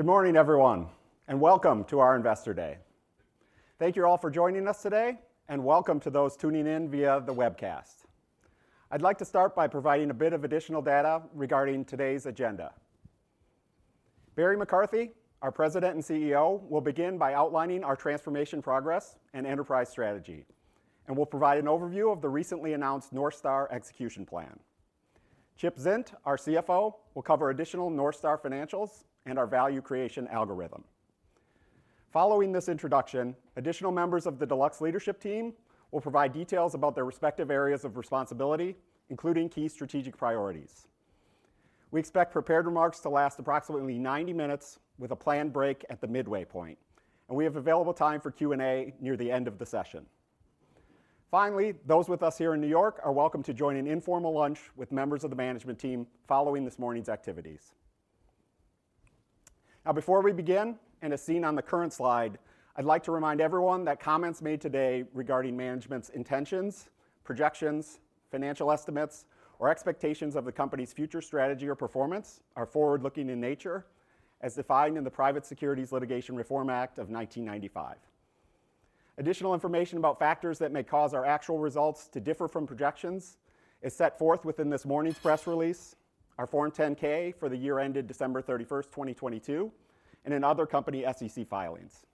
Good morning, everyone, and welcome to our Investor Day. Thank you all for joining us today, and welcome to those tuning in via the webcast. I'd like to start by providing a bit of additional data regarding today's agenda. Barry McCarthy, our President and CEO, will begin by outlining our transformation progress and enterprise strategy, and will provide an overview of the recently announced North Star execution plan. Chip Zint, our CFO, will cover additional North Star financials and our value creation algorithm. Following this introduction, additional members of the Deluxe leadership team will provide details about their respective areas of responsibility, including key strategic priorities. We expect prepared remarks to last approximately 90 minutes, with a planned break at the midway point, and we have available time for Q&A near the end of the session. Finally, those with us here in New York are welcome to join an informal lunch with members of the management team following this morning's activities. Now, before we begin, and as seen on the current slide, I'd like to remind everyone that comments made today regarding management's intentions, projections, financial estimates, or expectations of the company's future strategy or performance are forward-looking in nature, as defined in the Private Securities Litigation Reform Act of 1995. Additional information about factors that may cause our actual results to differ from projections is set forth within this morning's press release, our Form 10-K for the year ended December 31, 2022, and in other company SEC filings.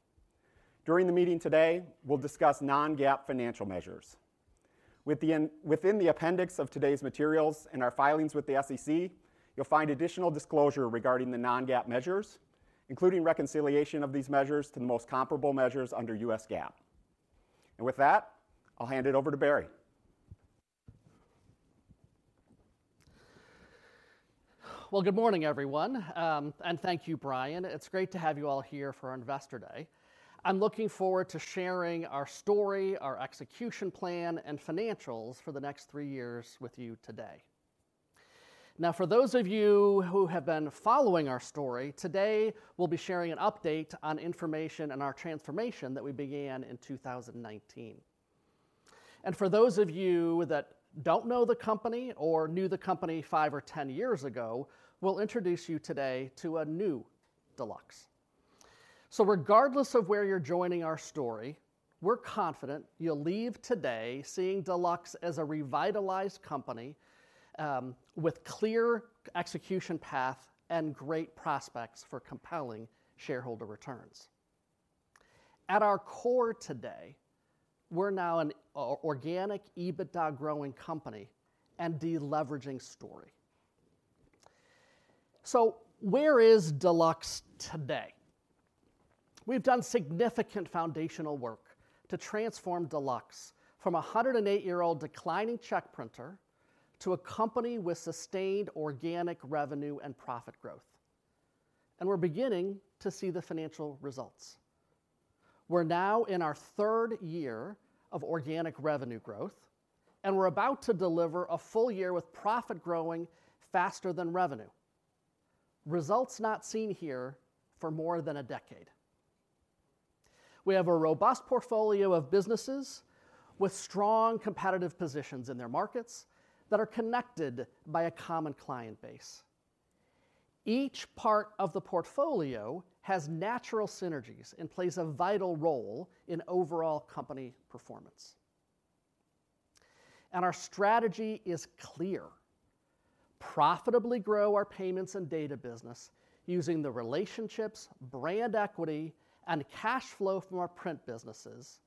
During the meeting today, we'll discuss non-GAAP financial measures. Within the appendix of today's materials and our filings with the SEC, you'll find additional disclosure regarding the non-GAAP measures, including reconciliation of these measures to the most comparable measures under U.S. GAAP. With that, I'll hand it over to Barry. Well, good morning, everyone, and thank you, Brian. It's great to have you all here for our Investor Day. I'm looking forward to sharing our story, our execution plan, and financials for the next three years with you today. Now, for those of you who have been following our story, today we'll be sharing an update on information and our transformation that we began in 2019. For those of you that don't know the company or knew the company five or 10 years ago, we'll introduce you today to a new Deluxe. So regardless of where you're joining our story, we're confident you'll leave today seeing Deluxe as a revitalized company, with clear execution path and great prospects for compelling shareholder returns. At our core today, we're now an organic EBITDA-growing company and deleveraging story. So where is Deluxe today? We've done significant foundational work to transform Deluxe from a 108-year-old declining check printer to a company with sustained organic revenue and profit growth, and we're beginning to see the financial results. We're now in our third year of organic revenue growth, and we're about to deliver a full year with profit growing faster than revenue, results not seen here for more than a decade. We have a robust portfolio of businesses with strong competitive positions in their markets that are connected by a common client base. Each part of the portfolio has natural synergies and plays a vital role in overall company performance. Our strategy is clear: profitably grow our payments and data business using the relationships, brand equity, and cash flow from our print businesses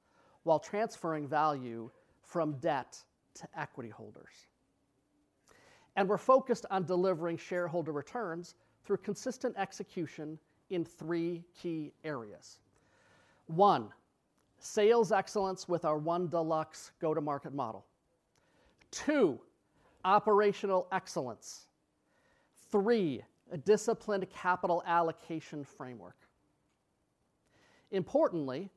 while transferring value from debt to equity holders. We're focused on delivering shareholder returns through consistent execution in three key areas. One, sales excellence with our One Deluxe go-to-market model. Two, operational excellence. Three, a disciplined capital allocation framework. Importantly,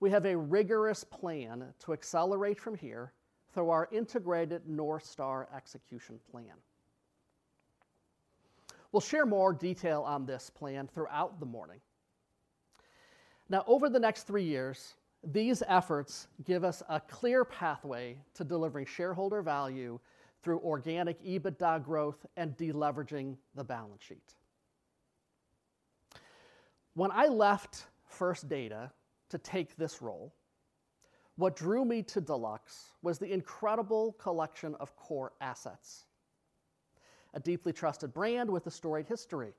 we have a rigorous plan to accelerate from here through our integrated North Star execution plan. We'll share more detail on this plan throughout the morning. Now, over the next three years, these efforts give us a clear pathway to delivering shareholder value through organic EBITDA growth and deleveraging the balance sheet. When I left First Data to take this role, what drew me to Deluxe was the incredible collection of core assets, a deeply trusted brand with a storied history.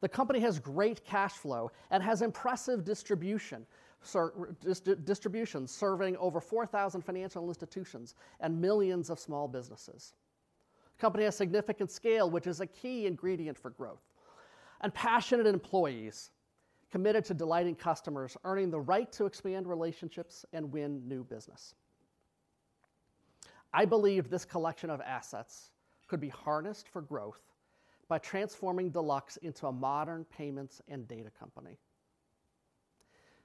The company has great cash flow and has impressive distribution serving over 4,000 financial institutions and millions of small businesses. Company has significant scale, which is a key ingredient for growth, and passionate employees committed to delighting customers, earning the right to expand relationships and win new business. I believe this collection of assets could be harnessed for growth by transforming Deluxe into a modern payments and data company.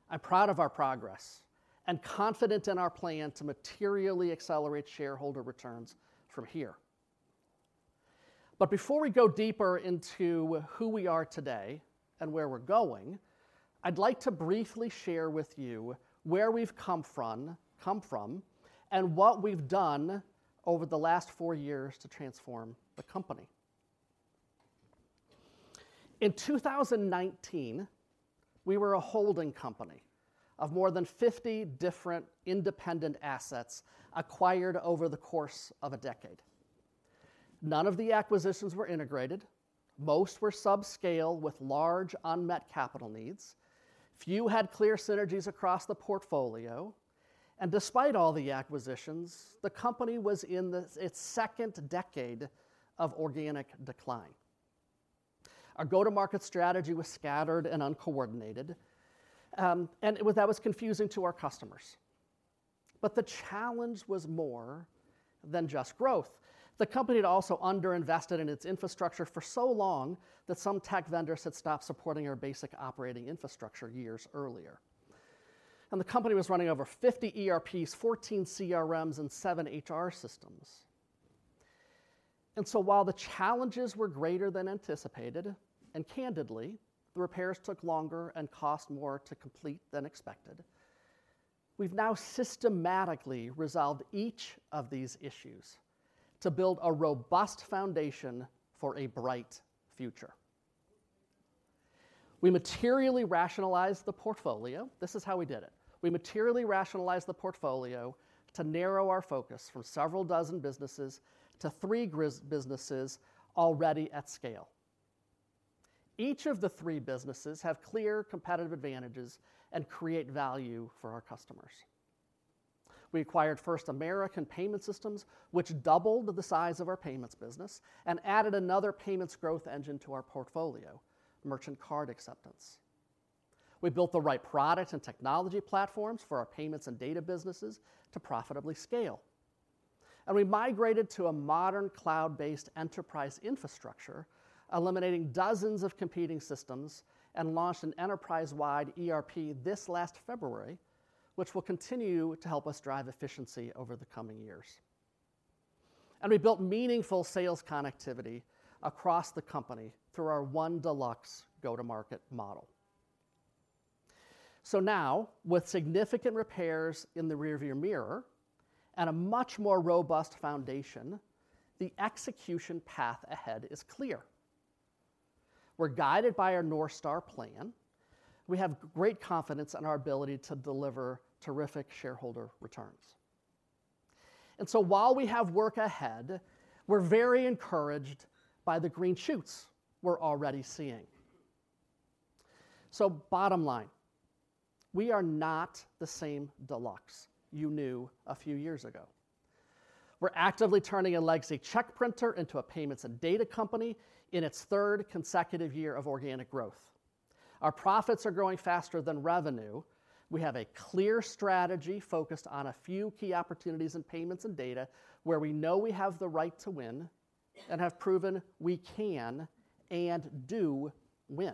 I'm proud of our progress and confident in our plan to materially accelerate shareholder returns from here. But before we go deeper into who we are today and where we're going, I'd like to briefly share with you where we've come from, and what we've done over the last four years to transform the company. In 2019, we were a holding company of more than 50 different independent assets acquired over the course of a decade. None of the acquisitions were integrated, most were subscale with large unmet capital needs, few had clear synergies across the portfolio, and despite all the acquisitions, the company was in its second decade of organic decline. Our go-to-market strategy was scattered and uncoordinated, and that was confusing to our customers. But the challenge was more than just growth. The company had also underinvested in its infrastructure for so long that some tech vendors had stopped supporting our basic operating infrastructure years earlier, and the company was running over 50 ERPs, 14 CRMs, and 7 HR systems. And so while the challenges were greater than anticipated, and candidly, the repairs took longer and cost more to complete than expected, we've now systematically resolved each of these issues to build a robust foundation for a bright future. We materially rationalized the portfolio. This is how we did it: We materially rationalized the portfolio to narrow our focus from several dozen businesses to three businesses already at scale. Each of the three businesses have clear competitive advantages and create value for our customers. We acquired First American Payment Systems, which doubled the size of our payments business and added another payments growth engine to our portfolio, merchant card acceptance. We built the right product and technology platforms for our payments and data businesses to profitably scale, and we migrated to a modern, cloud-based enterprise infrastructure, eliminating dozens of competing systems, and launched an enterprise-wide ERP this last February, which will continue to help us drive efficiency over the coming years. We built meaningful sales connectivity across the company through our One Deluxe go-to-market model. So now, with significant repairs in the rearview mirror and a much more robust foundation, the execution path ahead is clear. We're guided by our North Star plan. We have great confidence in our ability to deliver terrific shareholder returns. And so while we have work ahead, we're very encouraged by the green shoots we're already seeing. So bottom line, we are not the same Deluxe you knew a few years ago. We're actively turning a legacy check printer into a payments and data company in its third consecutive year of organic growth. Our profits are growing faster than revenue. We have a clear strategy focused on a few key opportunities in payments and data, where we know we have the right to win and have proven we can and do win.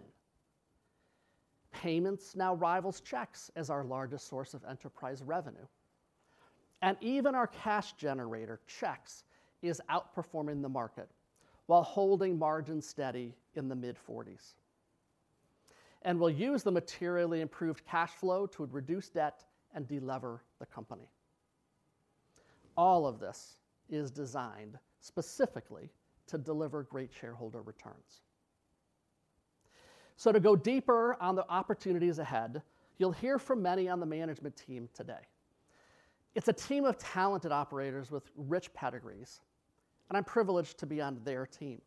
Payments now rivals checks as our largest source of enterprise revenue, and even our cash generator, checks, is outperforming the market while holding margins steady in the mid-40s%. We'll use the materially improved cash flow to reduce debt and delever the company. All of this is designed specifically to deliver great shareholder returns. To go deeper on the opportunities ahead, you'll hear from many on the management team today. It's a team of talented operators with rich pedigrees, and I'm privileged to be on their team.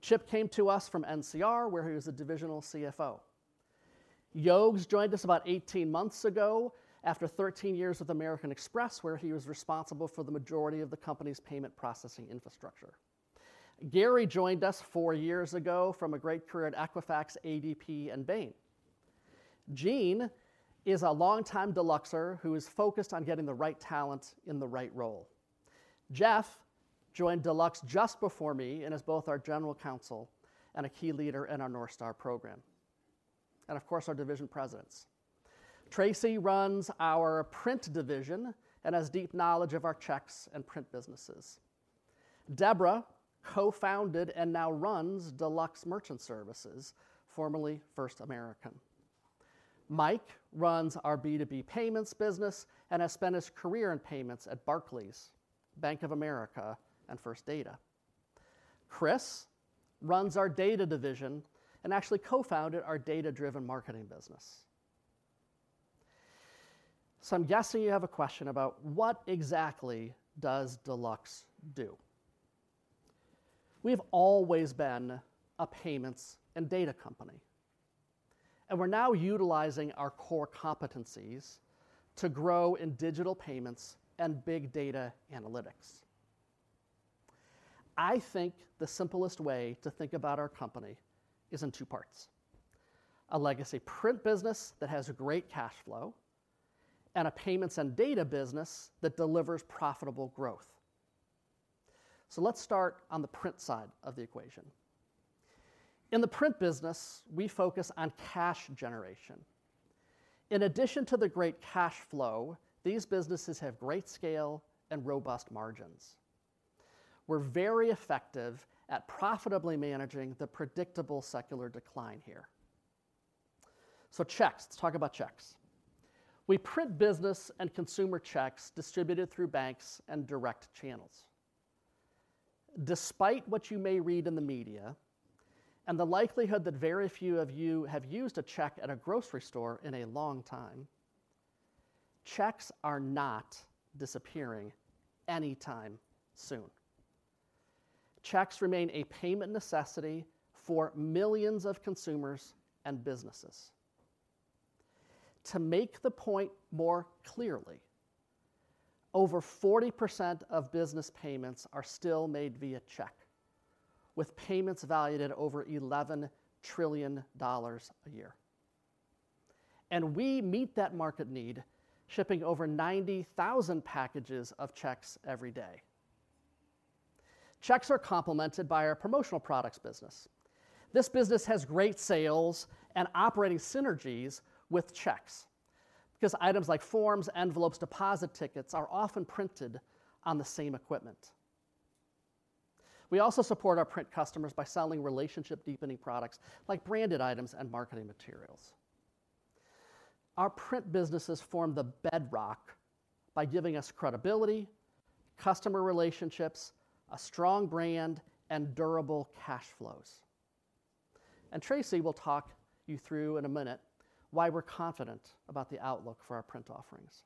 Chip came to us from NCR, where he was a divisional CFO. Yogs joined us about 18 months ago after 13 years with American Express, where he was responsible for the majority of the company's payment processing infrastructure. Garry joined us 4 years ago from a great career at Equifax, ADP, and Bain. Gene is a longtime Deluxer who is focused on getting the right talent in the right role. Jeff joined Deluxe just before me and is both our General Counsel and a key leader in our North Star program, and, of course, our division presidents. Tracey runs our print division and has deep knowledge of our checks and print businesses. Debra co-founded and now runs Deluxe Merchant Services, formerly First American. Mike runs our B2B payments business and has spent his career in payments at Barclays, Bank of America, and First Data. Chris runs our data division and actually co-founded our data-driven marketing business. So I'm guessing you have a question about: what exactly does Deluxe do? We've always been a payments and data company, and we're now utilizing our core competencies to grow in digital payments and big data analytics. I think the simplest way to think about our company is in two parts: a legacy print business that has a great cash flow, and a payments and data business that delivers profitable growth. So let's start on the print side of the equation. In the print business, we focus on cash generation. In addition to the great cash flow, these businesses have great scale and robust margins... we're very effective at profitably managing the predictable secular decline here. So checks, let's talk about checks. We print business and consumer checks distributed through banks and direct channels. Despite what you may read in the media, and the likelihood that very few of you have used a check at a grocery store in a long time, checks are not disappearing anytime soon. Checks remain a payment necessity for millions of consumers and businesses. To make the point more clearly, over 40% of business payments are still made via check, with payments valued at over $11 trillion a year. We meet that market need, shipping over 90,000 packages of checks every day. Checks are complemented by our promotional products business. This business has great sales and operating synergies with checks, because items like forms, envelopes, deposit tickets, are often printed on the same equipment. We also support our print customers by selling relationship-deepening products, like branded items and marketing materials. Our print businesses form the bedrock by giving us credibility, customer relationships, a strong brand, and durable cash flows. Tracy will talk you through in a minute why we're confident about the outlook for our print offerings.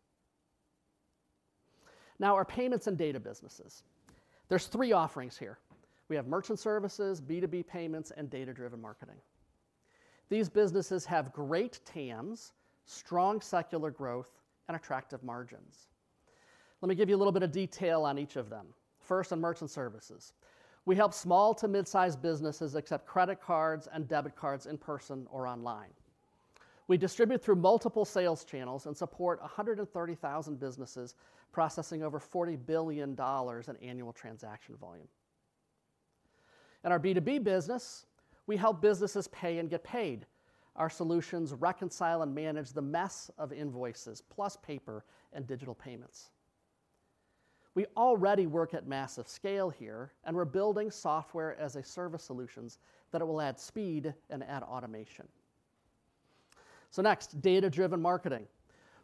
Now, our payments and data businesses. There's 3 offerings here. We have merchant services, B2B payments, and data-driven marketing. These businesses have great TAMs, strong secular growth, and attractive margins. Let me give you a little bit of detail on each of them. First, on Merchant Services. We help small to mid-size businesses accept credit cards and debit cards in person or online. We distribute through multiple sales channels and support 130,000 businesses, processing over $40 billion in annual transaction volume. In our B2B business, we help businesses pay and get paid. Our solutions reconcile and manage the mess of invoices, plus paper and digital payments. We already work at massive scale here, and we're building software-as-a-service solutions that will add speed and add automation. So next, data-driven marketing.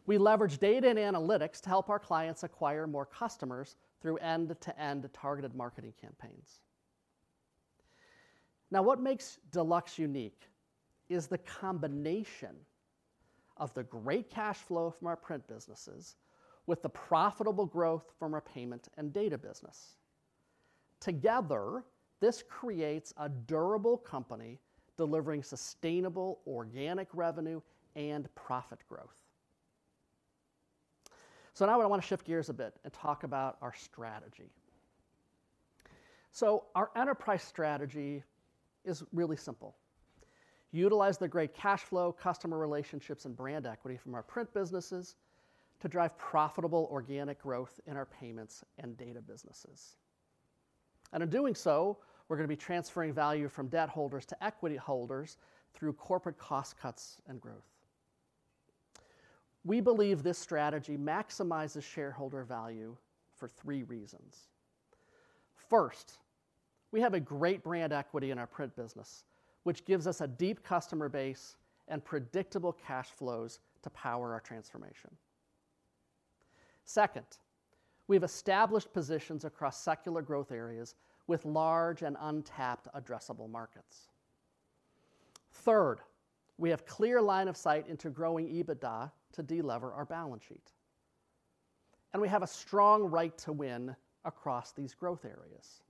We leverage data and analytics to help our clients acquire more customers through end-to-end targeted marketing campaigns. Now, what makes Deluxe unique is the combination of the great cash flow from our print businesses with the profitable growth from our payment and data business. Together, this creates a durable company delivering sustainable organic revenue and profit growth. So now I want to shift gears a bit and talk about our strategy. So our enterprise strategy is really simple: utilize the great cash flow, customer relationships, and brand equity from our print businesses to drive profitable organic growth in our payments and data businesses. And in doing so, we're gonna be transferring value from debt holders to equity holders through corporate cost cuts and growth. We believe this strategy maximizes shareholder value for three reasons. First, we have a great brand equity in our print business, which gives us a deep customer base and predictable cash flows to power our transformation. Second, we've established positions across secular growth areas with large and untapped addressable markets. Third, we have clear line of sight into growing EBITDA to delever our balance sheet, and we have a strong right to win across these growth areas.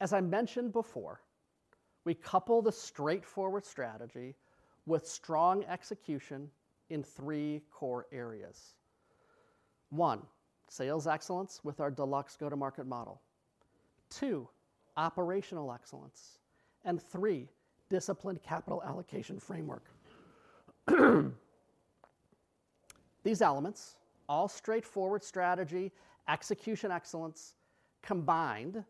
As I mentioned before, we couple the straightforward strategy with strong execution in three core areas: one, sales excellence with our Deluxe go-to-market model; two, operational excellence; and three, disciplined capital allocation framework. These elements, all straightforward strategy, execution excellence, combined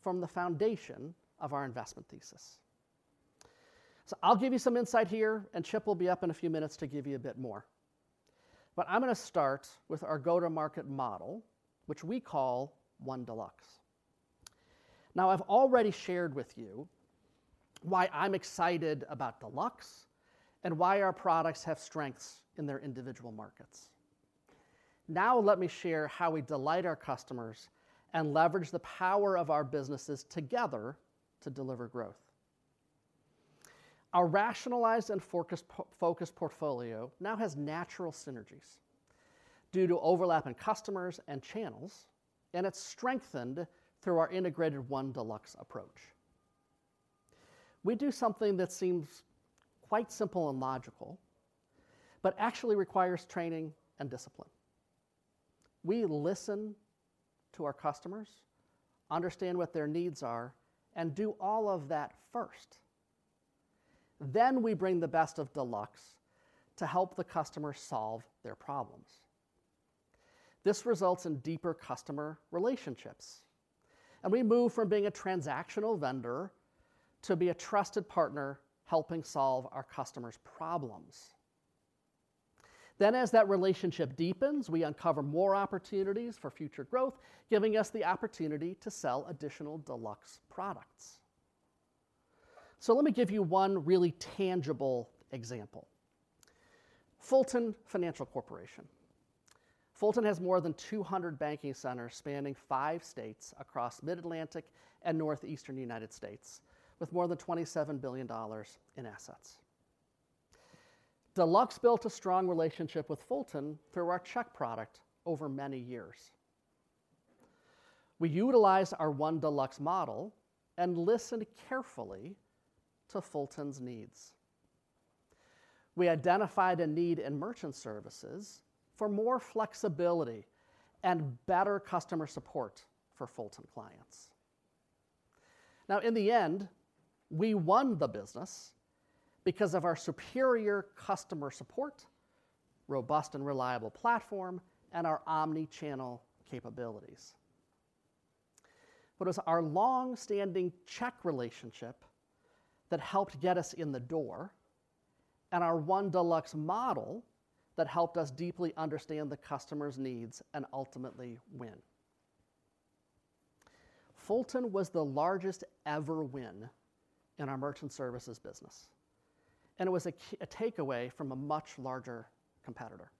form the foundation of our investment thesis. So I'll give you some insight here, and Chip will be up in a few minutes to give you a bit more. But I'm gonna start with our go-to-market model, which we call One Deluxe. Now, I've already shared with you why I'm excited about Deluxe and why our products have strengths in their individual markets. Now let me share how we delight our customers and leverage the power of our businesses together to deliver growth. Our rationalized and focused portfolio now has natural synergies due to overlap in customers and channels, and it's strengthened through our integrated One Deluxe approach. We do something that seems quite simple and logical, but actually requires training and discipline. We listen to our customers, understand what their needs are, and do all of that first. Then we bring the best of Deluxe to help the customer solve their problems. This results in deeper customer relationships, and we move from being a transactional vendor to being a trusted partner, helping solve our customers' problems… Then as that relationship deepens, we uncover more opportunities for future growth, giving us the opportunity to sell additional Deluxe products. So let me give you one really tangible example. Fulton Financial Corporation. Fulton has more than 200 banking centers spanning five states across Mid-Atlantic and Northeastern United States, with more than $27 billion in assets. Deluxe built a strong relationship with Fulton through our check product over many years. We utilized our One Deluxe model and listened carefully to Fulton's needs. We identified a need in Merchant Services for more flexibility and better customer support for Fulton clients. Now, in the end, we won the business because of our superior customer support, robust and reliable platform, and our omni-channel capabilities. But it was our long-standing check relationship that helped get us in the door, and our One Deluxe model that helped us deeply understand the customer's needs and ultimately win. Fulton was the largest-ever win in our Merchant Services business, and it was a takeaway from a much larger competitor.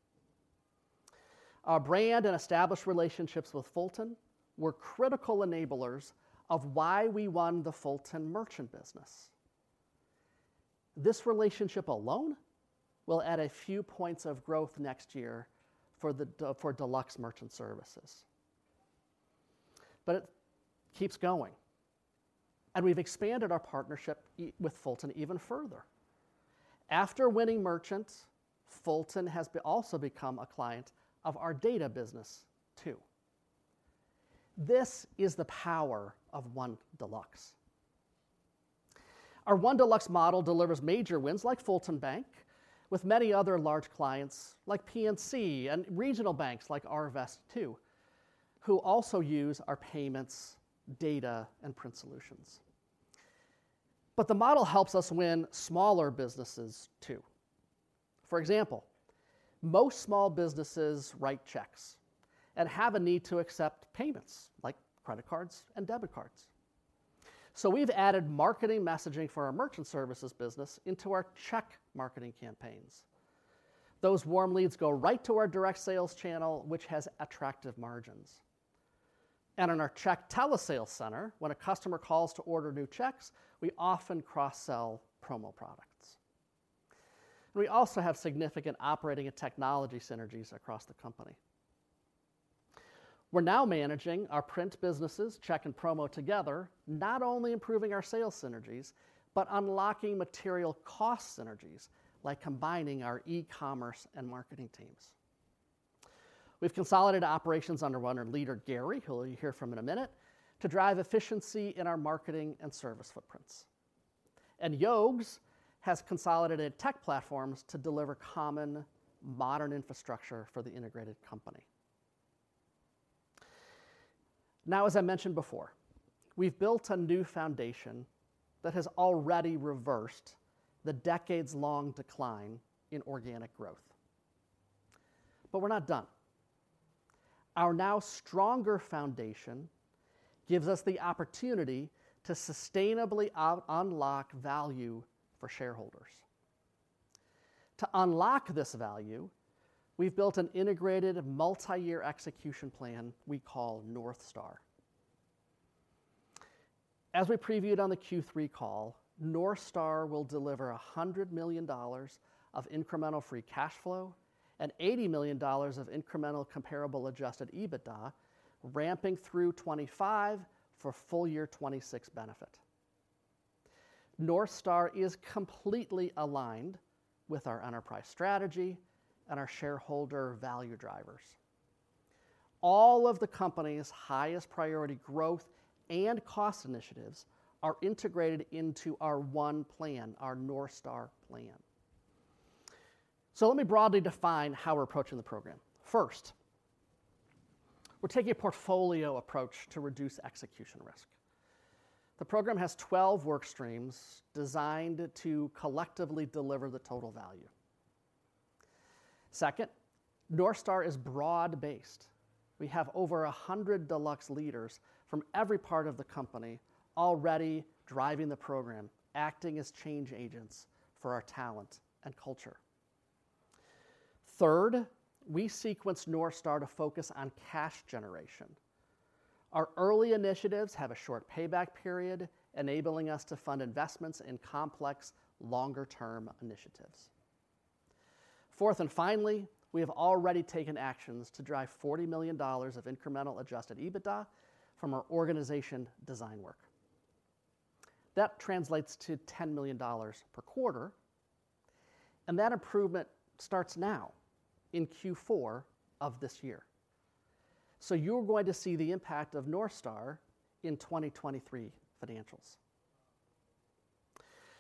Our brand and established relationships with Fulton were critical enablers of why we won the Fulton merchant business. This relationship alone will add a few points of growth next year for Deluxe Merchant Services. But it keeps going, and we've expanded our partnership with Fulton even further. After winning merchants, Fulton has also become a client of our data business, too. This is the power of One Deluxe. Our One Deluxe model delivers major wins like Fulton Bank, with many other large clients like PNC and regional banks like Arvest, too, who also use our payments, data, and print solutions. But the model helps us win smaller businesses, too. For example, most small businesses write checks and have a need to accept payments like credit cards and debit cards. So we've added marketing messaging for our merchant services business into our check marketing campaigns. Those warm leads go right to our direct sales channel, which has attractive margins. In our check telesales center, when a customer calls to order new checks, we often cross-sell promo products. We also have significant operating and technology synergies across the company. We're now managing our print businesses, check and promo, together, not only improving our sales synergies, but unlocking material cost synergies, like combining our e-commerce and marketing teams. We've consolidated operations under one leader, Gary, who you'll hear from in a minute, to drive efficiency in our marketing and service footprints. Yogs has consolidated tech platforms to deliver common, modern infrastructure for the integrated company. Now, as I mentioned before, we've built a new foundation that has already reversed the decades-long decline in organic growth. We're not done. Our now stronger foundation gives us the opportunity to sustainably unlock value for shareholders. To unlock this value, we've built an integrated, multi-year execution plan we call North Star. As we previewed on the Q3 call, North Star will deliver $100 million of incremental free cash flow and $80 million of incremental comparable adjusted EBITDA, ramping through 2025 for full-year 2026 benefit. North Star is completely aligned with our enterprise strategy and our shareholder value drivers. All of the company's highest priority growth and cost initiatives are integrated into our one plan, our North Star plan. So let me broadly define how we're approaching the program. First, we're taking a portfolio approach to reduce execution risk. The program has 12 work streams designed to collectively deliver the total value. Second, North Star is broad-based. We have over 100 Deluxe leaders from every part of the company already driving the program, acting as change agents for our talent and culture. Third, we sequenced North Star to focus on cash generation. Our early initiatives have a short payback period, enabling us to fund investments in complex, longer-term initiatives. Fourth and finally, we have already taken actions to drive $40 million of incremental adjusted EBITDA from our organization design work. That translates to $10 million per quarter, and that improvement starts now in Q4 of this year. So you're going to see the impact of North Star in 2023 financials.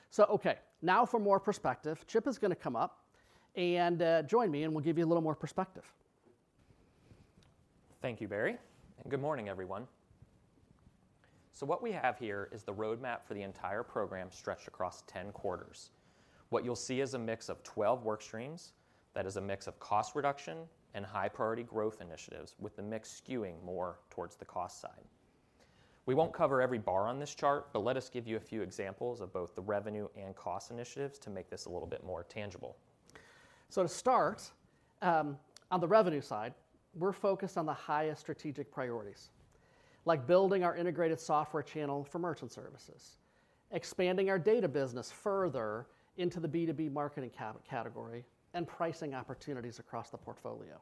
So okay, now for more perspective, Chip is gonna come up and, join me, and we'll give you a little more perspective.... Thank you, Barry, and good morning, everyone. What we have here is the roadmap for the entire program stretched across 10 quarters. What you'll see is a mix of 12 work streams, that is a mix of cost reduction and high priority growth initiatives, with the mix skewing more towards the cost side. We won't cover every bar on this chart, but let us give you a few examples of both the revenue and cost initiatives to make this a little bit more tangible. To start, on the revenue side, we're focused on the highest strategic priorities, like building our integrated software channel for merchant services, expanding our data business further into the B2B marketing category, and pricing opportunities across the portfolio.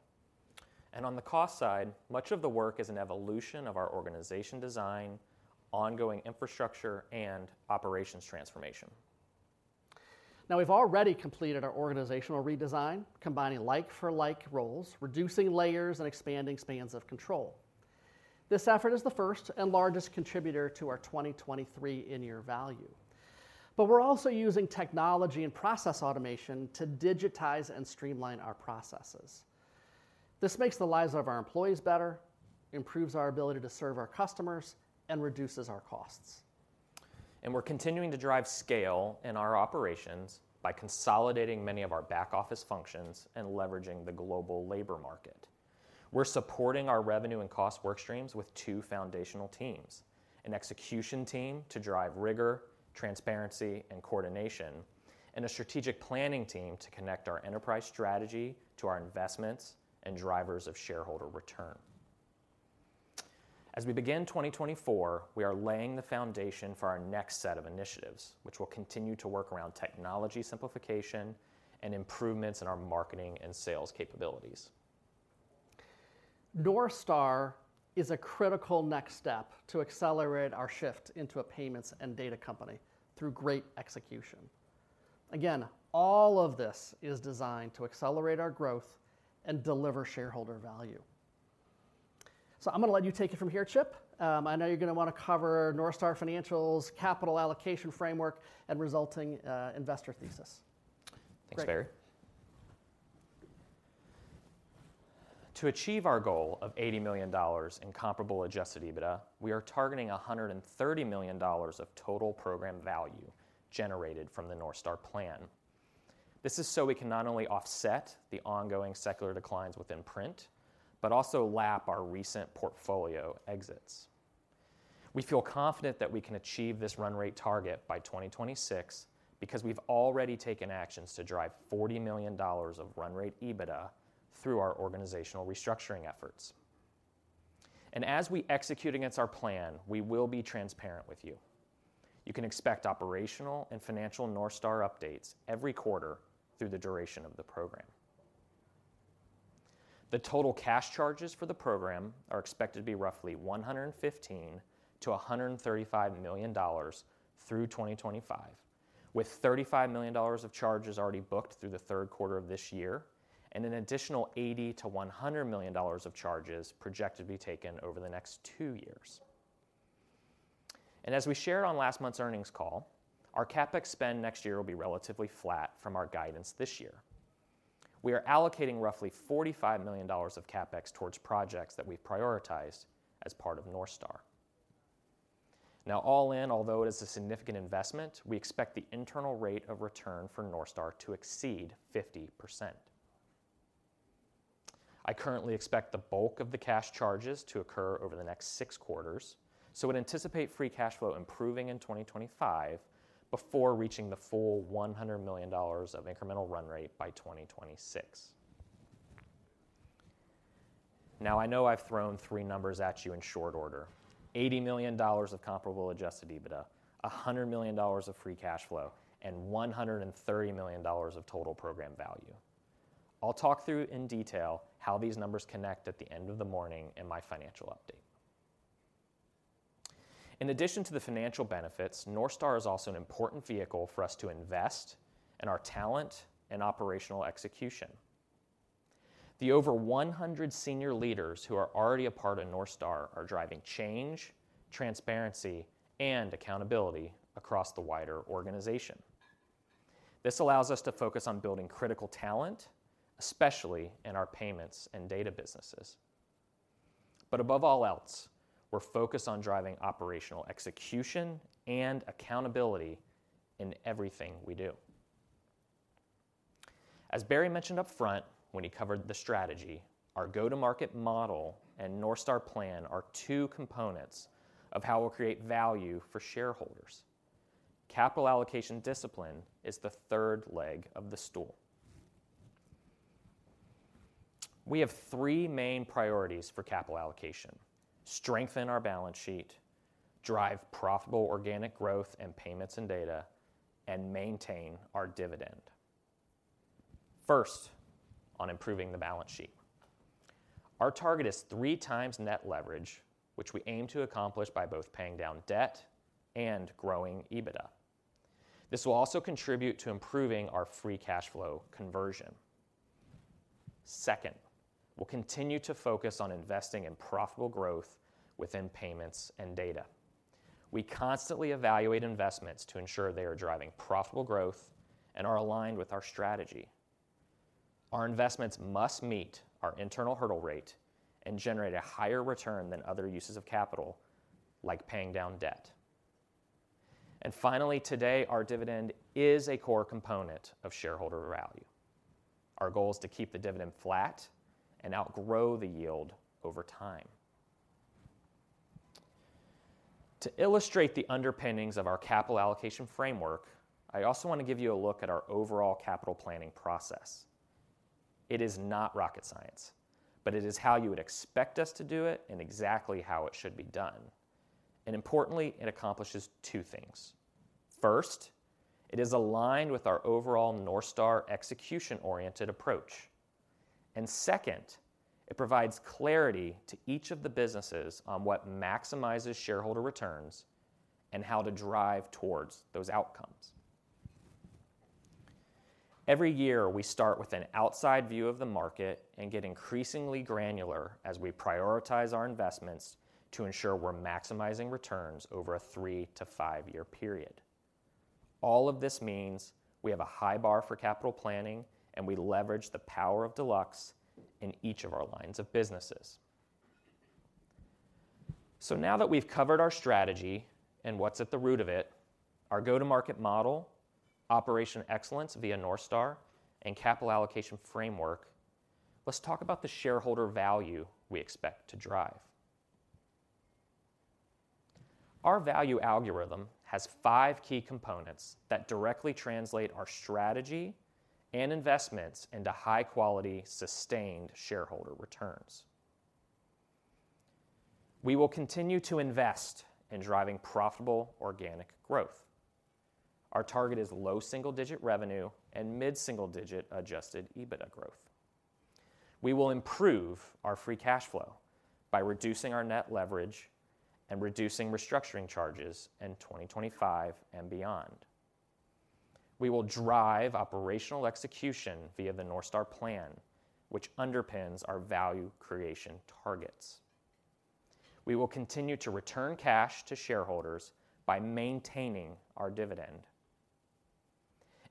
On the cost side, much of the work is an evolution of our organization design, ongoing infrastructure, and operations transformation. Now, we've already completed our organizational redesign, combining like-for-like roles, reducing layers, and expanding spans of control. This effort is the first and largest contributor to our 2023 in-year value. But we're also using technology and process automation to digitize and streamline our processes. This makes the lives of our employees better, improves our ability to serve our customers, and reduces our costs. We're continuing to drive scale in our operations by consolidating many of our back office functions and leveraging the global labor market. We're supporting our revenue and cost work streams with two foundational teams: an execution team to drive rigor, transparency, and coordination, and a strategic planning team to connect our enterprise strategy to our investments and drivers of shareholder return. As we begin 2024, we are laying the foundation for our next set of initiatives, which will continue to work around technology simplification and improvements in our marketing and sales capabilities. North Star is a critical next step to accelerate our shift into a payments and data company through great execution. Again, all of this is designed to accelerate our growth and deliver shareholder value. So I'm going to let you take it from here, Chip. I know you're going to want to cover North Star Financial's capital allocation framework and resulting, investor thesis. Thanks, Barry. To achieve our goal of $80 million in comparable adjusted EBITDA, we are targeting $130 million of total program value generated from the North Star plan. This is so we can not only offset the ongoing secular declines within print, but also lap our recent portfolio exits. We feel confident that we can achieve this run rate target by 2026 because we've already taken actions to drive $40 million of run rate EBITDA through our organizational restructuring efforts. And as we execute against our plan, we will be transparent with you. You can expect operational and financial North Star updates every quarter through the duration of the program. The total cash charges for the program are expected to be roughly $115 million-$135 million through 2025, with $35 million of charges already booked through the third quarter of this year, and an additional $80 million-$100 million of charges projected to be taken over the next two years. As we shared on last month's earnings call, our CapEx spend next year will be relatively flat from our guidance this year. We are allocating roughly $45 million of CapEx towards projects that we've prioritized as part of North Star. Now, all in, although it is a significant investment, we expect the internal rate of return for North Star to exceed 50%. I currently expect the bulk of the cash charges to occur over the next six quarters, so would anticipate free cash flow improving in 2025 before reaching the full $100 million of incremental run rate by 2026. Now, I know I've thrown three numbers at you in short order: $80 million of comparable adjusted EBITDA, $100 million of free cash flow, and $130 million of total program value. I'll talk through in detail how these numbers connect at the end of the morning in my financial update. In addition to the financial benefits, North Star is also an important vehicle for us to invest in our talent and operational execution. The over 100 senior leaders who are already a part of North Star are driving change, transparency, and accountability across the wider organization. This allows us to focus on building critical talent, especially in our payments and data businesses. But above all else, we're focused on driving operational execution and accountability in everything we do. As Barry mentioned upfront when he covered the strategy, our go-to-market model and North Star plan are two components of how we'll create value for shareholders. Capital allocation discipline is the third leg of the stool. We have three main priorities for capital allocation: strengthen our balance sheet, drive profitable organic growth in payments and data, and maintain our dividend. First, on improving the balance sheet. Our target is three times net leverage, which we aim to accomplish by both paying down debt and growing EBITDA. This will also contribute to improving our free cash flow conversion. Second, we'll continue to focus on investing in profitable growth within payments and data.... We constantly evaluate investments to ensure they are driving profitable growth and are aligned with our strategy. Our investments must meet our internal hurdle rate and generate a higher return than other uses of capital, like paying down debt. Finally, today, our dividend is a core component of shareholder value. Our goal is to keep the dividend flat and outgrow the yield over time. To illustrate the underpinnings of our capital allocation framework, I also want to give you a look at our overall capital planning process. It is not rocket science, but it is how you would expect us to do it and exactly how it should be done. Importantly, it accomplishes two things. First, it is aligned with our overall North Star execution-oriented approach. Second, it provides clarity to each of the businesses on what maximizes shareholder returns and how to drive towards those outcomes. Every year, we start with an outside view of the market and get increasingly granular as we prioritize our investments to ensure we're maximizing returns over a 3-5-year period. All of this means we have a high bar for capital planning, and we leverage the power of Deluxe in each of our lines of businesses. So now that we've covered our strategy and what's at the root of it, our go-to-market model, operational excellence via North Star, and capital allocation framework, let's talk about the shareholder value we expect to drive. Our value algorithm has 5 key components that directly translate our strategy and investments into high-quality, sustained shareholder returns. We will continue to invest in driving profitable organic growth. Our target is low single-digit revenue and mid-single-digit adjusted EBITDA growth. We will improve our free cash flow by reducing our net leverage and reducing restructuring charges in 2025 and beyond. We will drive operational execution via the North Star plan, which underpins our value creation targets. We will continue to return cash to shareholders by maintaining our dividend.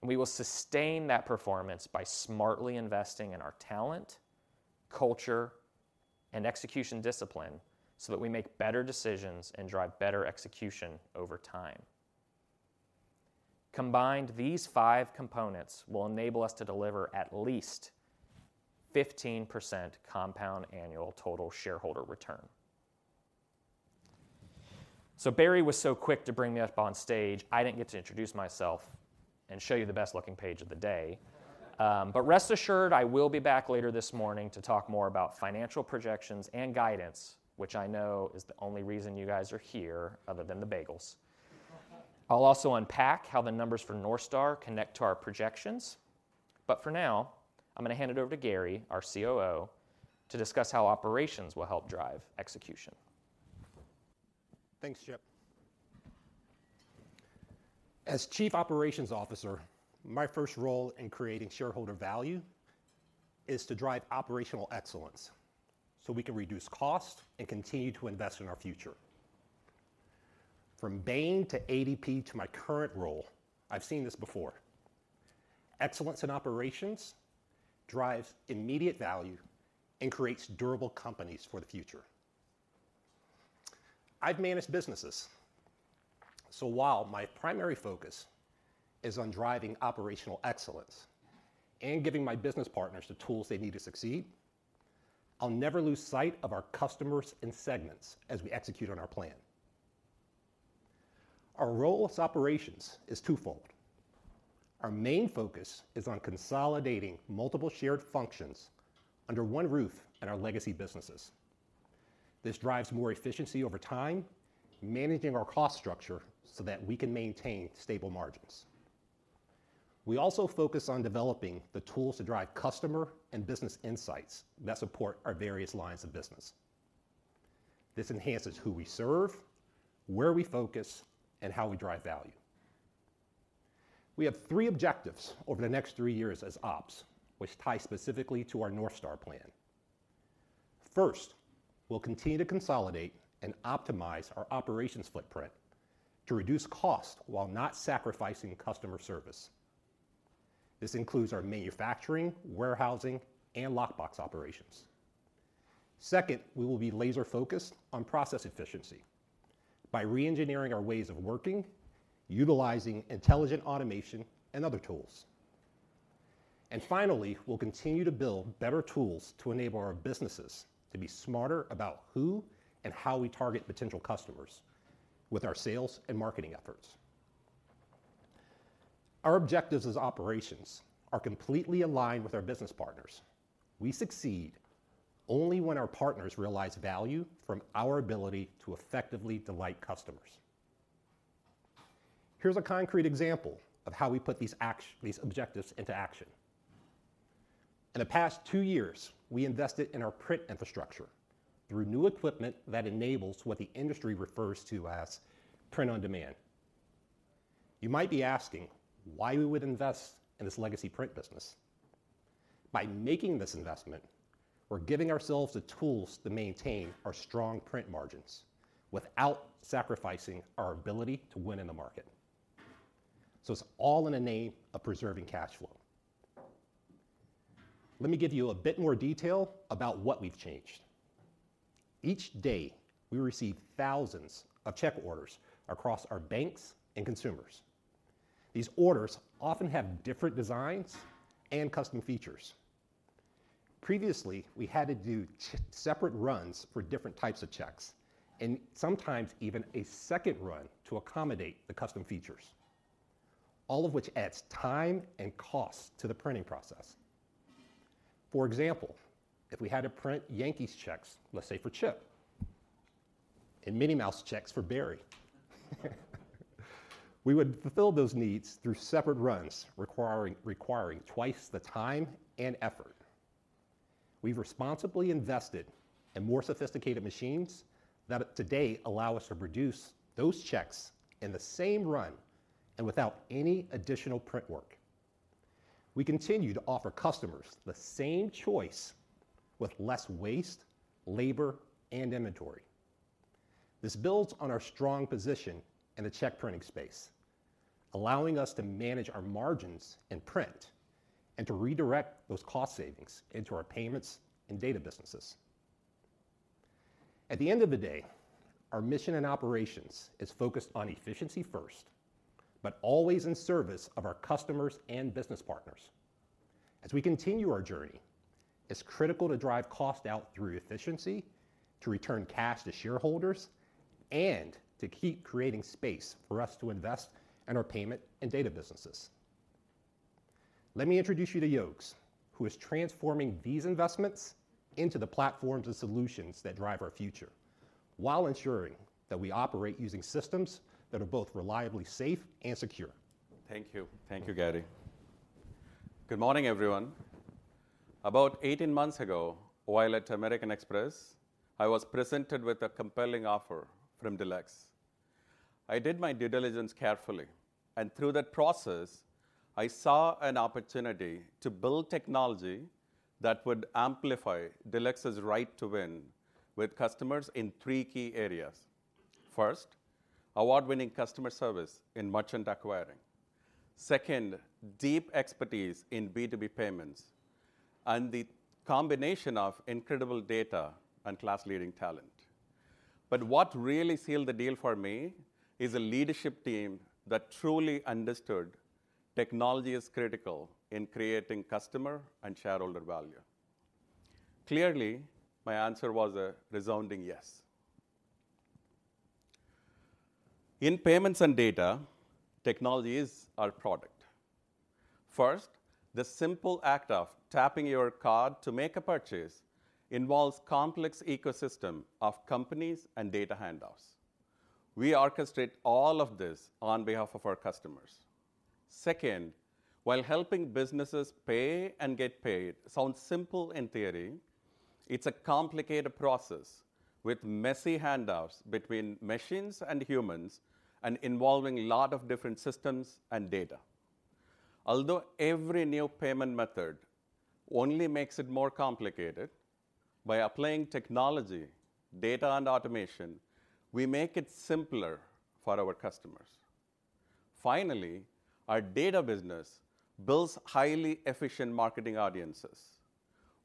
We will sustain that performance by smartly investing in our talent, culture, and execution discipline, so that we make better decisions and drive better execution over time. Combined, these five components will enable us to deliver at least 15% compound annual total shareholder return. So Barry was so quick to bring me up on stage, I didn't get to introduce myself and show you the best-looking page of the day. But rest assured, I will be back later this morning to talk more about financial projections and guidance, which I know is the only reason you guys are here, other than the bagels. I'll also unpack how the numbers for North Star connect to our projections. But for now, I'm going to hand it over to Gary, our COO, to discuss how operations will help drive execution. Thanks, Chip. As Chief Operations Officer, my first role in creating shareholder value is to drive operational excellence, so we can reduce cost and continue to invest in our future. From Bain to ADP to my current role, I've seen this before. Excellence in operations drives immediate value and creates durable companies for the future. I've managed businesses, so while my primary focus is on driving operational excellence and giving my business partners the tools they need to succeed, I'll never lose sight of our customers and segments as we execute on our plan. Our role as operations is twofold. Our main focus is on consolidating multiple shared functions under one roof in our legacy businesses. This drives more efficiency over time, managing our cost structure so that we can maintain stable margins. We also focus on developing the tools to drive customer and business insights that support our various lines of business. This enhances who we serve, where we focus, and how we drive value. We have three objectives over the next three years as ops, which tie specifically to our North Star plan. First, we'll continue to consolidate and optimize our operations footprint to reduce cost while not sacrificing customer service. This includes our manufacturing, warehousing, and lockbox operations. Second, we will be laser-focused on process efficiency by reengineering our ways of working, utilizing intelligent automation and other tools. And finally, we'll continue to build better tools to enable our businesses to be smarter about who and how we target potential customers with our sales and marketing efforts. Our objectives as operations are completely aligned with our business partners. We succeed only when our partners realize value from our ability to effectively delight customers. Here's a concrete example of how we put these objectives into action. In the past two years, we invested in our print infrastructure through new equipment that enables what the industry refers to as print on demand. You might be asking why we would invest in this legacy print business. By making this investment, we're giving ourselves the tools to maintain our strong print margins without sacrificing our ability to win in the market. So it's all in the name of preserving cash flow. Let me give you a bit more detail about what we've changed. Each day, we receive thousands of check orders across our banks and consumers. These orders often have different designs and custom features. Previously, we had to do separate runs for different types of checks, and sometimes even a second run to accommodate the custom features, all of which adds time and cost to the printing process. For example, if we had to print Yankees checks, let's say for Chip, and Minnie Mouse checks for Barry, we would fulfill those needs through separate runs, requiring twice the time and effort. We've responsibly invested in more sophisticated machines that today allow us to produce those checks in the same run and without any additional print work. We continue to offer customers the same choice with less waste, labor, and inventory. This builds on our strong position in the check printing space, allowing us to manage our margins in print and to redirect those cost savings into our payments and data businesses. At the end of the day, our mission and operations is focused on efficiency first, but always in service of our customers and business partners. As we continue our journey, it's critical to drive cost out through efficiency, to return cash to shareholders, and to keep creating space for us to invest in our payment and data businesses. Let me introduce you to Yogesh, who is transforming these investments into the platforms and solutions that drive our future, while ensuring that we operate using systems that are both reliably safe and secure. Thank you. Thank you, Gary. Good morning, everyone. About 18 months ago, while at American Express, I was presented with a compelling offer from Deluxe. I did my due diligence carefully, and through that process, I saw an opportunity to build technology that would amplify Deluxe's right to win with customers in three key areas. First, award-winning customer service in merchant acquiring. Second, deep expertise in B2B payments, and the combination of incredible data and class-leading talent. But what really sealed the deal for me is a leadership team that truly understood technology is critical in creating customer and shareholder value. Clearly, my answer was a resounding yes. In payments and data, technology is our product. First, the simple act of tapping your card to make a purchase involves a complex ecosystem of companies and data handoffs. We orchestrate all of this on behalf of our customers. Second, while helping businesses pay and get paid sounds simple in theory, it's a complicated process with messy handoffs between machines and humans and involving a lot of different systems and data. Although every new payment method only makes it more complicated, by applying technology, data, and automation, we make it simpler for our customers. Finally, our data business builds highly efficient marketing audiences.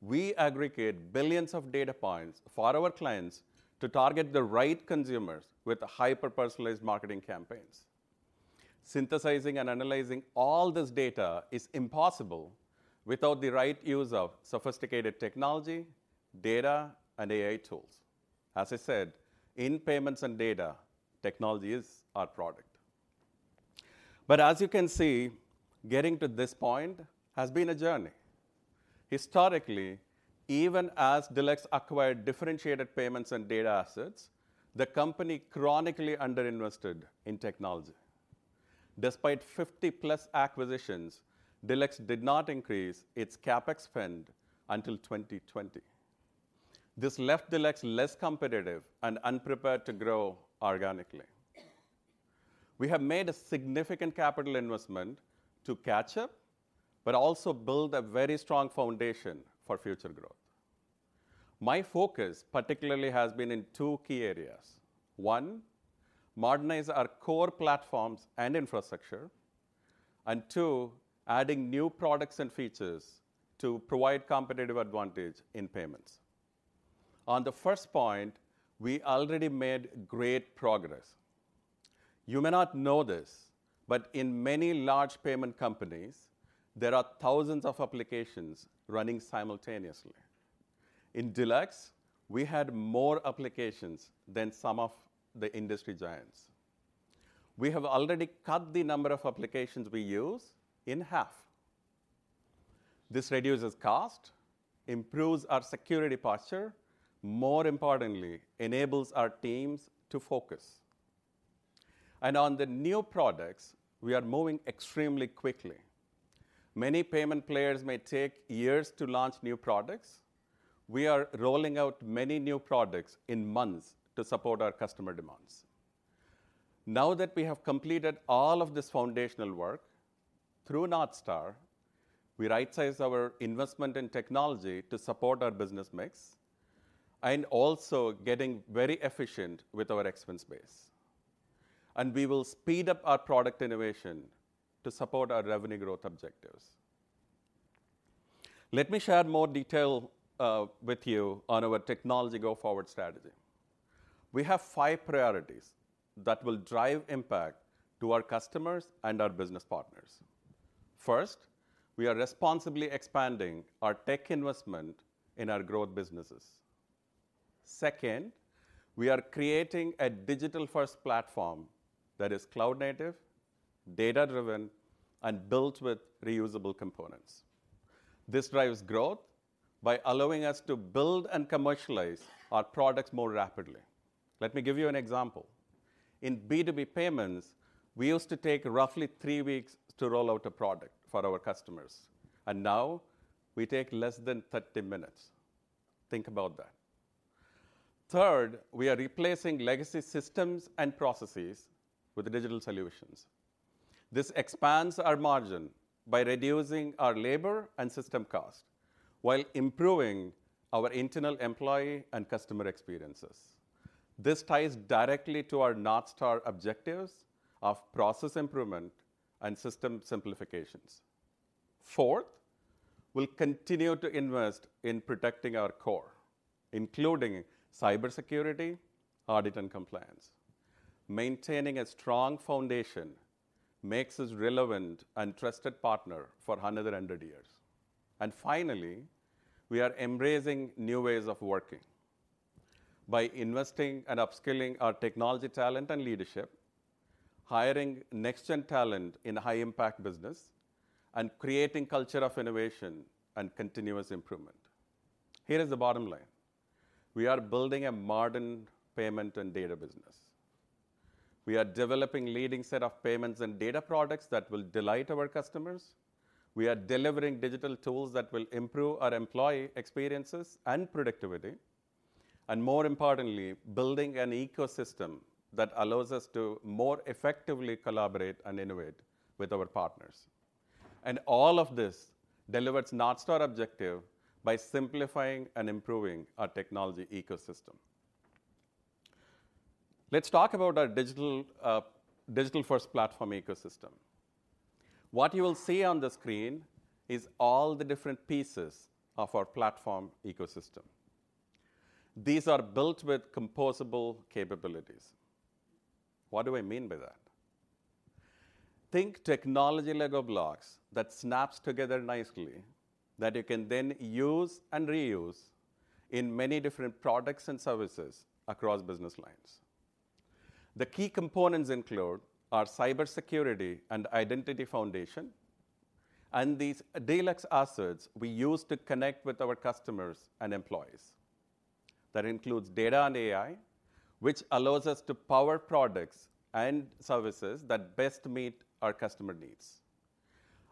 We aggregate billions of data points for our clients to target the right consumers with hyper-personalized marketing campaigns. Synthesizing and analyzing all this data is impossible without the right use of sophisticated technology, data, and AI tools. As I said, in payments and data, technology is our product. But as you can see, getting to this point has been a journey. Historically, even as Deluxe acquired differentiated payments and data assets, the company chronically underinvested in technology. Despite 50+ acquisitions, Deluxe did not increase its CapEx spend until 2020. This left Deluxe less competitive and unprepared to grow organically. We have made a significant capital investment to catch up, but also build a very strong foundation for future growth. My focus particularly has been in two key areas. One, modernize our core platforms and infrastructure, and two, adding new products and features to provide competitive advantage in payments. On the first point, we already made great progress. You may not know this, but in many large payment companies, there are thousands of applications running simultaneously. In Deluxe, we had more applications than some of the industry giants. We have already cut the number of applications we use in half. This reduces cost, improves our security posture, more importantly, enables our teams to focus. And on the new products, we are moving extremely quickly.... Many payment players may take years to launch new products. We are rolling out many new products in months to support our customer demands. Now that we have completed all of this foundational work, through North Star, we rightsize our investment in technology to support our business mix, and also getting very efficient with our expense base. We will speed up our product innovation to support our revenue growth objectives. Let me share more detail with you on our technology go-forward strategy. We have five priorities that will drive impact to our customers and our business partners. First, we are responsibly expanding our tech investment in our growth businesses. Second, we are creating a digital-first platform that is cloud-native, data-driven, and built with reusable components. This drives growth by allowing us to build and commercialize our products more rapidly. Let me give you an example. In B2B payments, we used to take roughly 3 weeks to roll out a product for our customers, and now we take less than 30 minutes. Think about that. Third, we are replacing legacy systems and processes with digital solutions. This expands our margin by reducing our labor and system cost, while improving our internal employee and customer experiences. This ties directly to our North Star objectives of process improvement and system simplifications. Fourth, we'll continue to invest in protecting our core, including cybersecurity, audit, and compliance. Maintaining a strong foundation makes us relevant and trusted partner for another 100 years. And finally, we are embracing new ways of working by investing and upskilling our technology, talent, and leadership, hiring next-gen talent in high-impact business, and creating culture of innovation and continuous improvement. Here is the bottom line: We are building a modern payment and data business. We are developing leading set of payments and data products that will delight our customers. We are delivering digital tools that will improve our employee experiences and productivity, and more importantly, building an ecosystem that allows us to more effectively collaborate and innovate with our partners. All of this delivers North Star objective by simplifying and improving our technology ecosystem. Let's talk about our digital, digital-first platform ecosystem. What you will see on the screen is all the different pieces of our platform ecosystem. These are built with composable capabilities. What do I mean by that? Think technology Lego blocks that snaps together nicely, that you can then use and reuse in many different products and services across business lines. The key components include our cybersecurity and identity foundation, and these Deluxe assets we use to connect with our customers and employees. That includes data and AI, which allows us to power products and services that best meet our customer needs,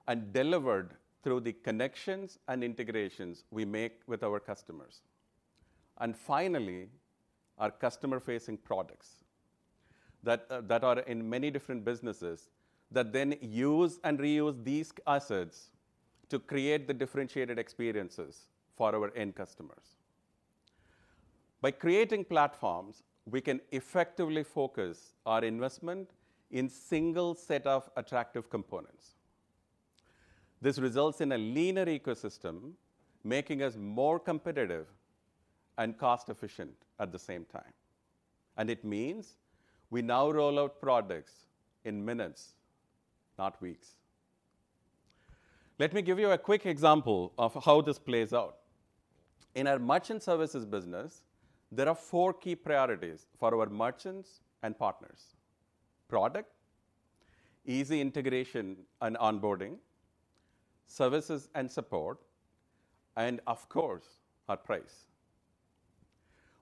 and delivered through the connections and integrations we make with our customers. And finally, our customer-facing products that are in many different businesses, that then use and reuse these assets to create the differentiated experiences for our end customers. By creating platforms, we can effectively focus our investment in single set of attractive components. This results in a leaner ecosystem, making us more competitive and cost efficient at the same time. And it means we now roll out products in minutes, not weeks. Let me give you a quick example of how this plays out. In our merchant services business, there are four key priorities for our merchants and partners: product, easy integration and onboarding, services and support, and of course, our price.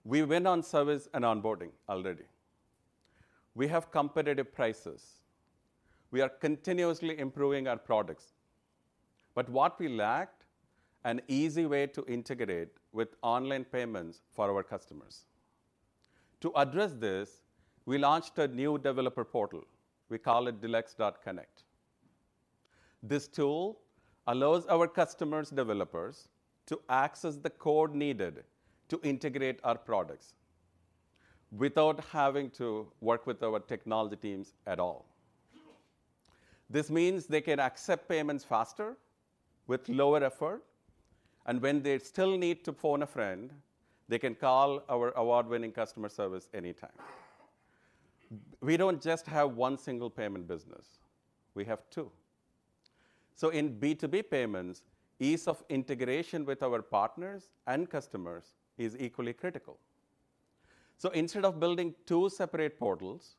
We win on service and onboarding already. We have competitive prices. We are continuously improving our products. But what we lacked, an easy way to integrate with online payments for our customers. To address this, we launched a new developer portal. We call it Deluxe.Connect. This tool allows our customers' developers to access the code needed to integrate our products without having to work with our technology teams at all. This means they can accept payments faster, with lower effort, and when they still need to phone a friend, they can call our award-winning customer service anytime. We don't just have one single payment business, we have two. So in B2B payments, ease of integration with our partners and customers is equally critical. So instead of building two separate portals,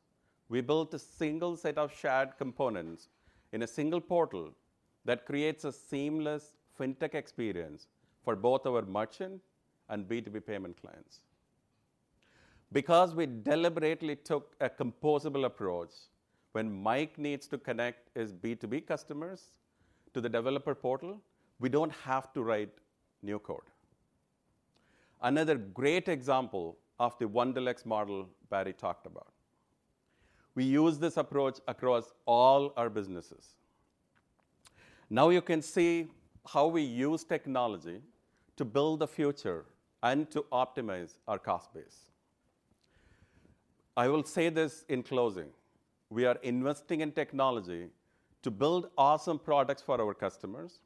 we built a single set of shared components in a single portal that creates a seamless fintech experience for both our merchant and B2B payment clients. Because we deliberately took a composable approach, when Mike needs to connect his B2B customers to the developer portal, we don't have to write new code. Another great example of the One Deluxe model Barry talked about. We use this approach across all our businesses. Now you can see how we use technology to build the future and to optimize our cost base. I will say this in closing: We are investing in technology to build awesome products for our customers,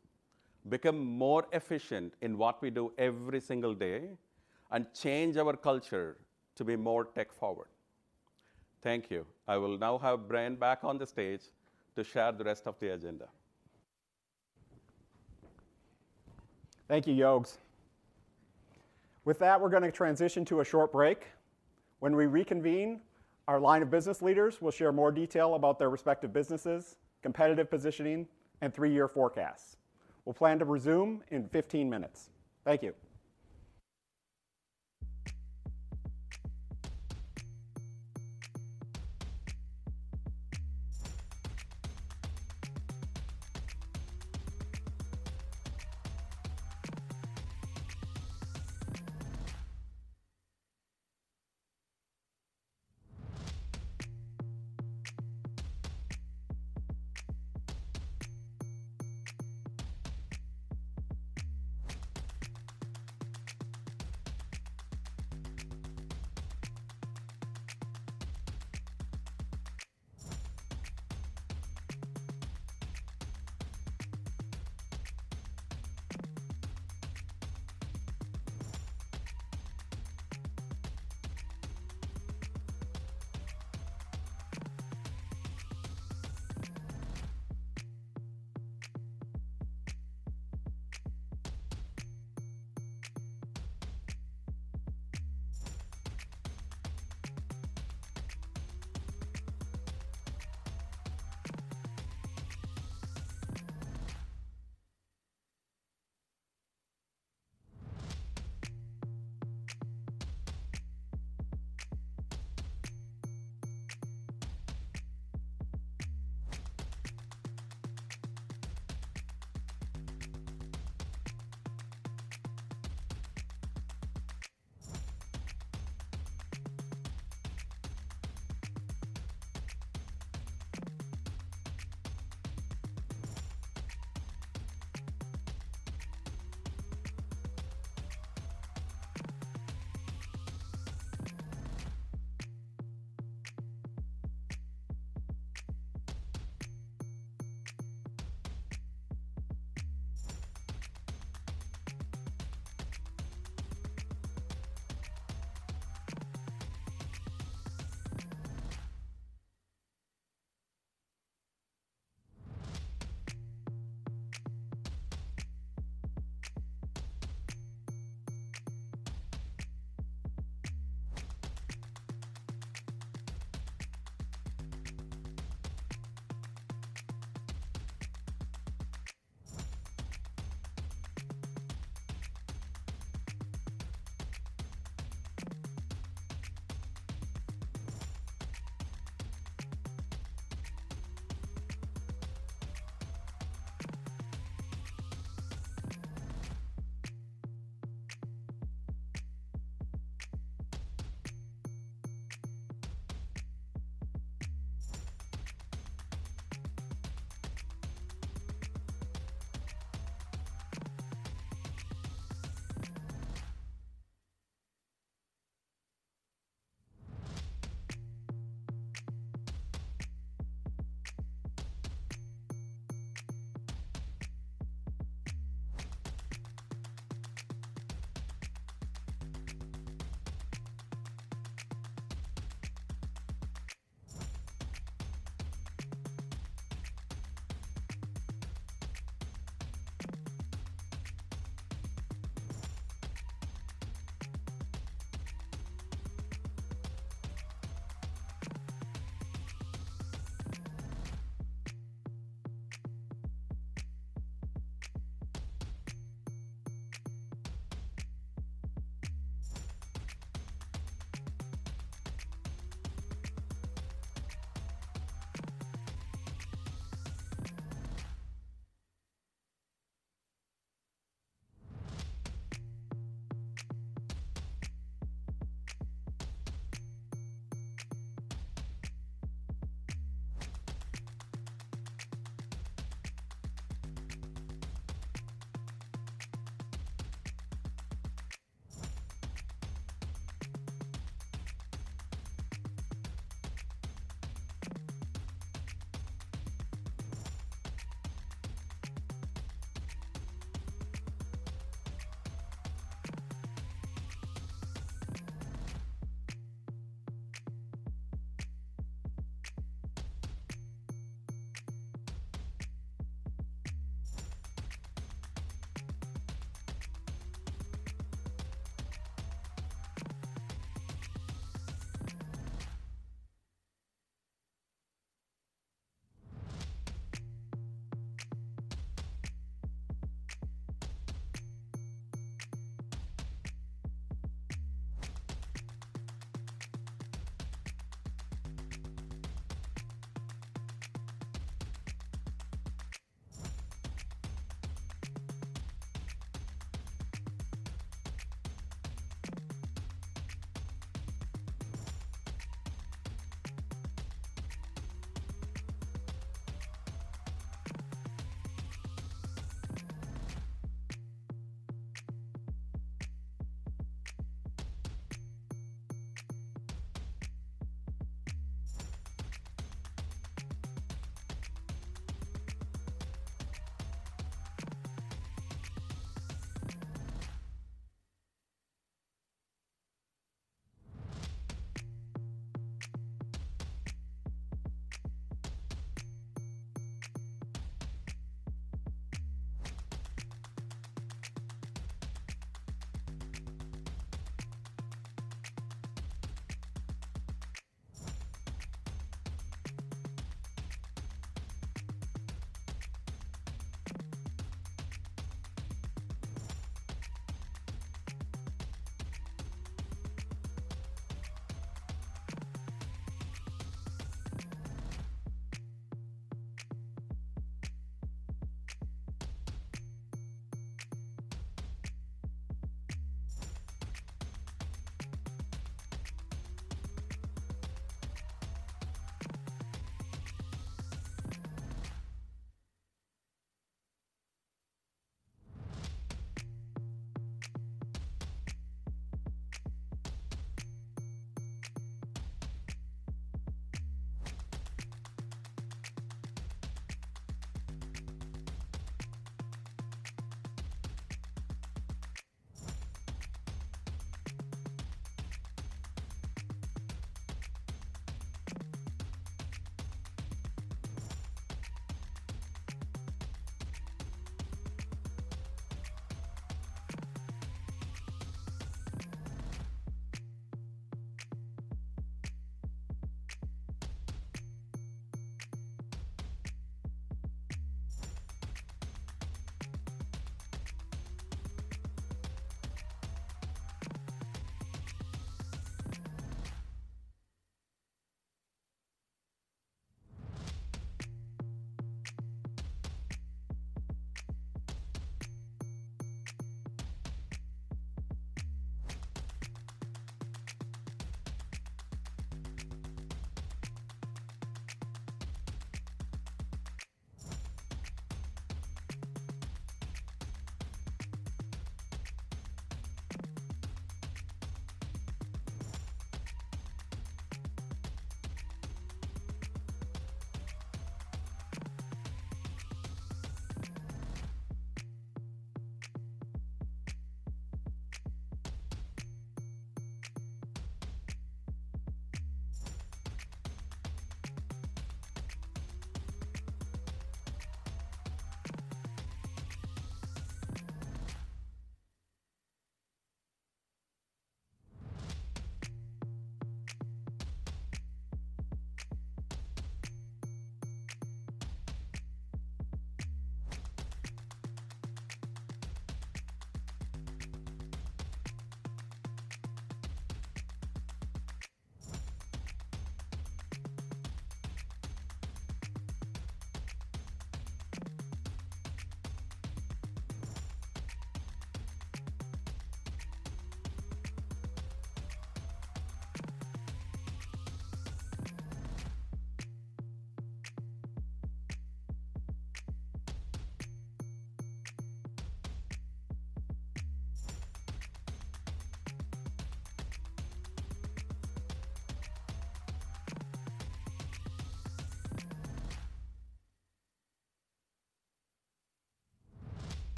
become more efficient in what we do every single day, and change our culture to be more tech-forward. Thank you. I will now have Brian back on the stage to share the rest of the agenda. Thank you, Yogs. With that, we're going to transition to a short break. When we reconvene, our line of business leaders will share more detail about their respective businesses, competitive positioning, and three-year forecasts. We'll plan to resume in 15 minutes. Thank you.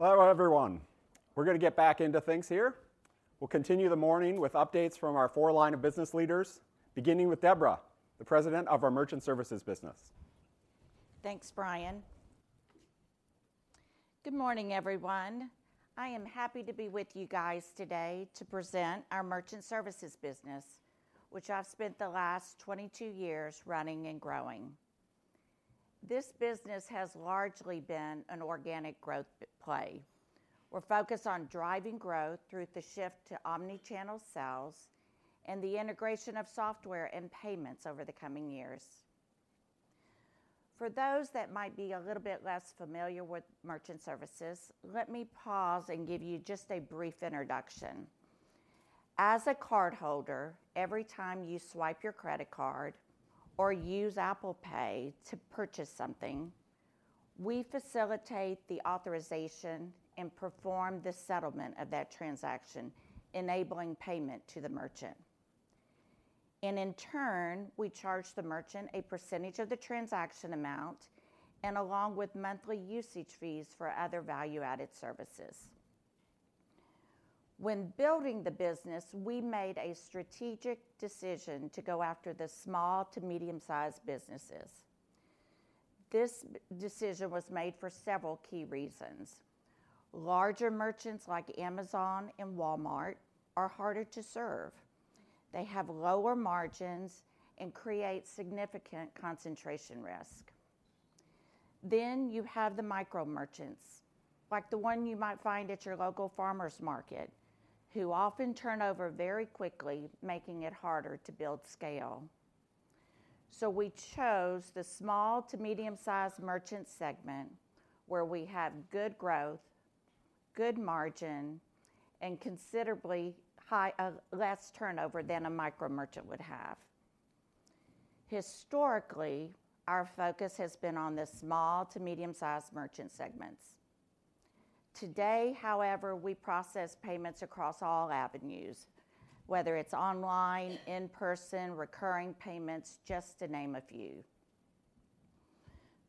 Hello, everyone. We're gonna get back into things here. We'll continue the morning with updates from our 4 line of business leaders, beginning with Debra, the president of our Merchant Services business. Thanks, Brian. Good morning, everyone. I am happy to be with you guys today to present our Merchant Services business, which I've spent the last 22 years running and growing. This business has largely been an organic growth play. We're focused on driving growth through the shift to Omni-channel sales and the integration of software and payments over the coming years. For those that might be a little bit less familiar with Merchant Services, let me pause and give you just a brief introduction. As a cardholder, every time you swipe your credit card or use Apple Pay to purchase something, we facilitate the authorization and perform the settlement of that transaction, enabling payment to the merchant. In turn, we charge the merchant a percentage of the transaction amount and along with monthly usage fees for other value-added services. When building the business, we made a strategic decision to go after the small to medium-sized businesses. This decision was made for several key reasons. Larger merchants like Amazon and Walmart are harder to serve. They have lower margins and create significant concentration risk. You have the micro merchants, like the one you might find at your local farmer's market who often turn over very quickly, making it harder to build scale. We chose the small to medium-sized merchant segment, where we had good growth, good margin, and considerably high, less turnover than a micro merchant would have. Historically, our focus has been on the small to medium-sized merchant segments. Today, however, we process payments across all avenues, whether it's online, in-person, recurring payments, just to name a few.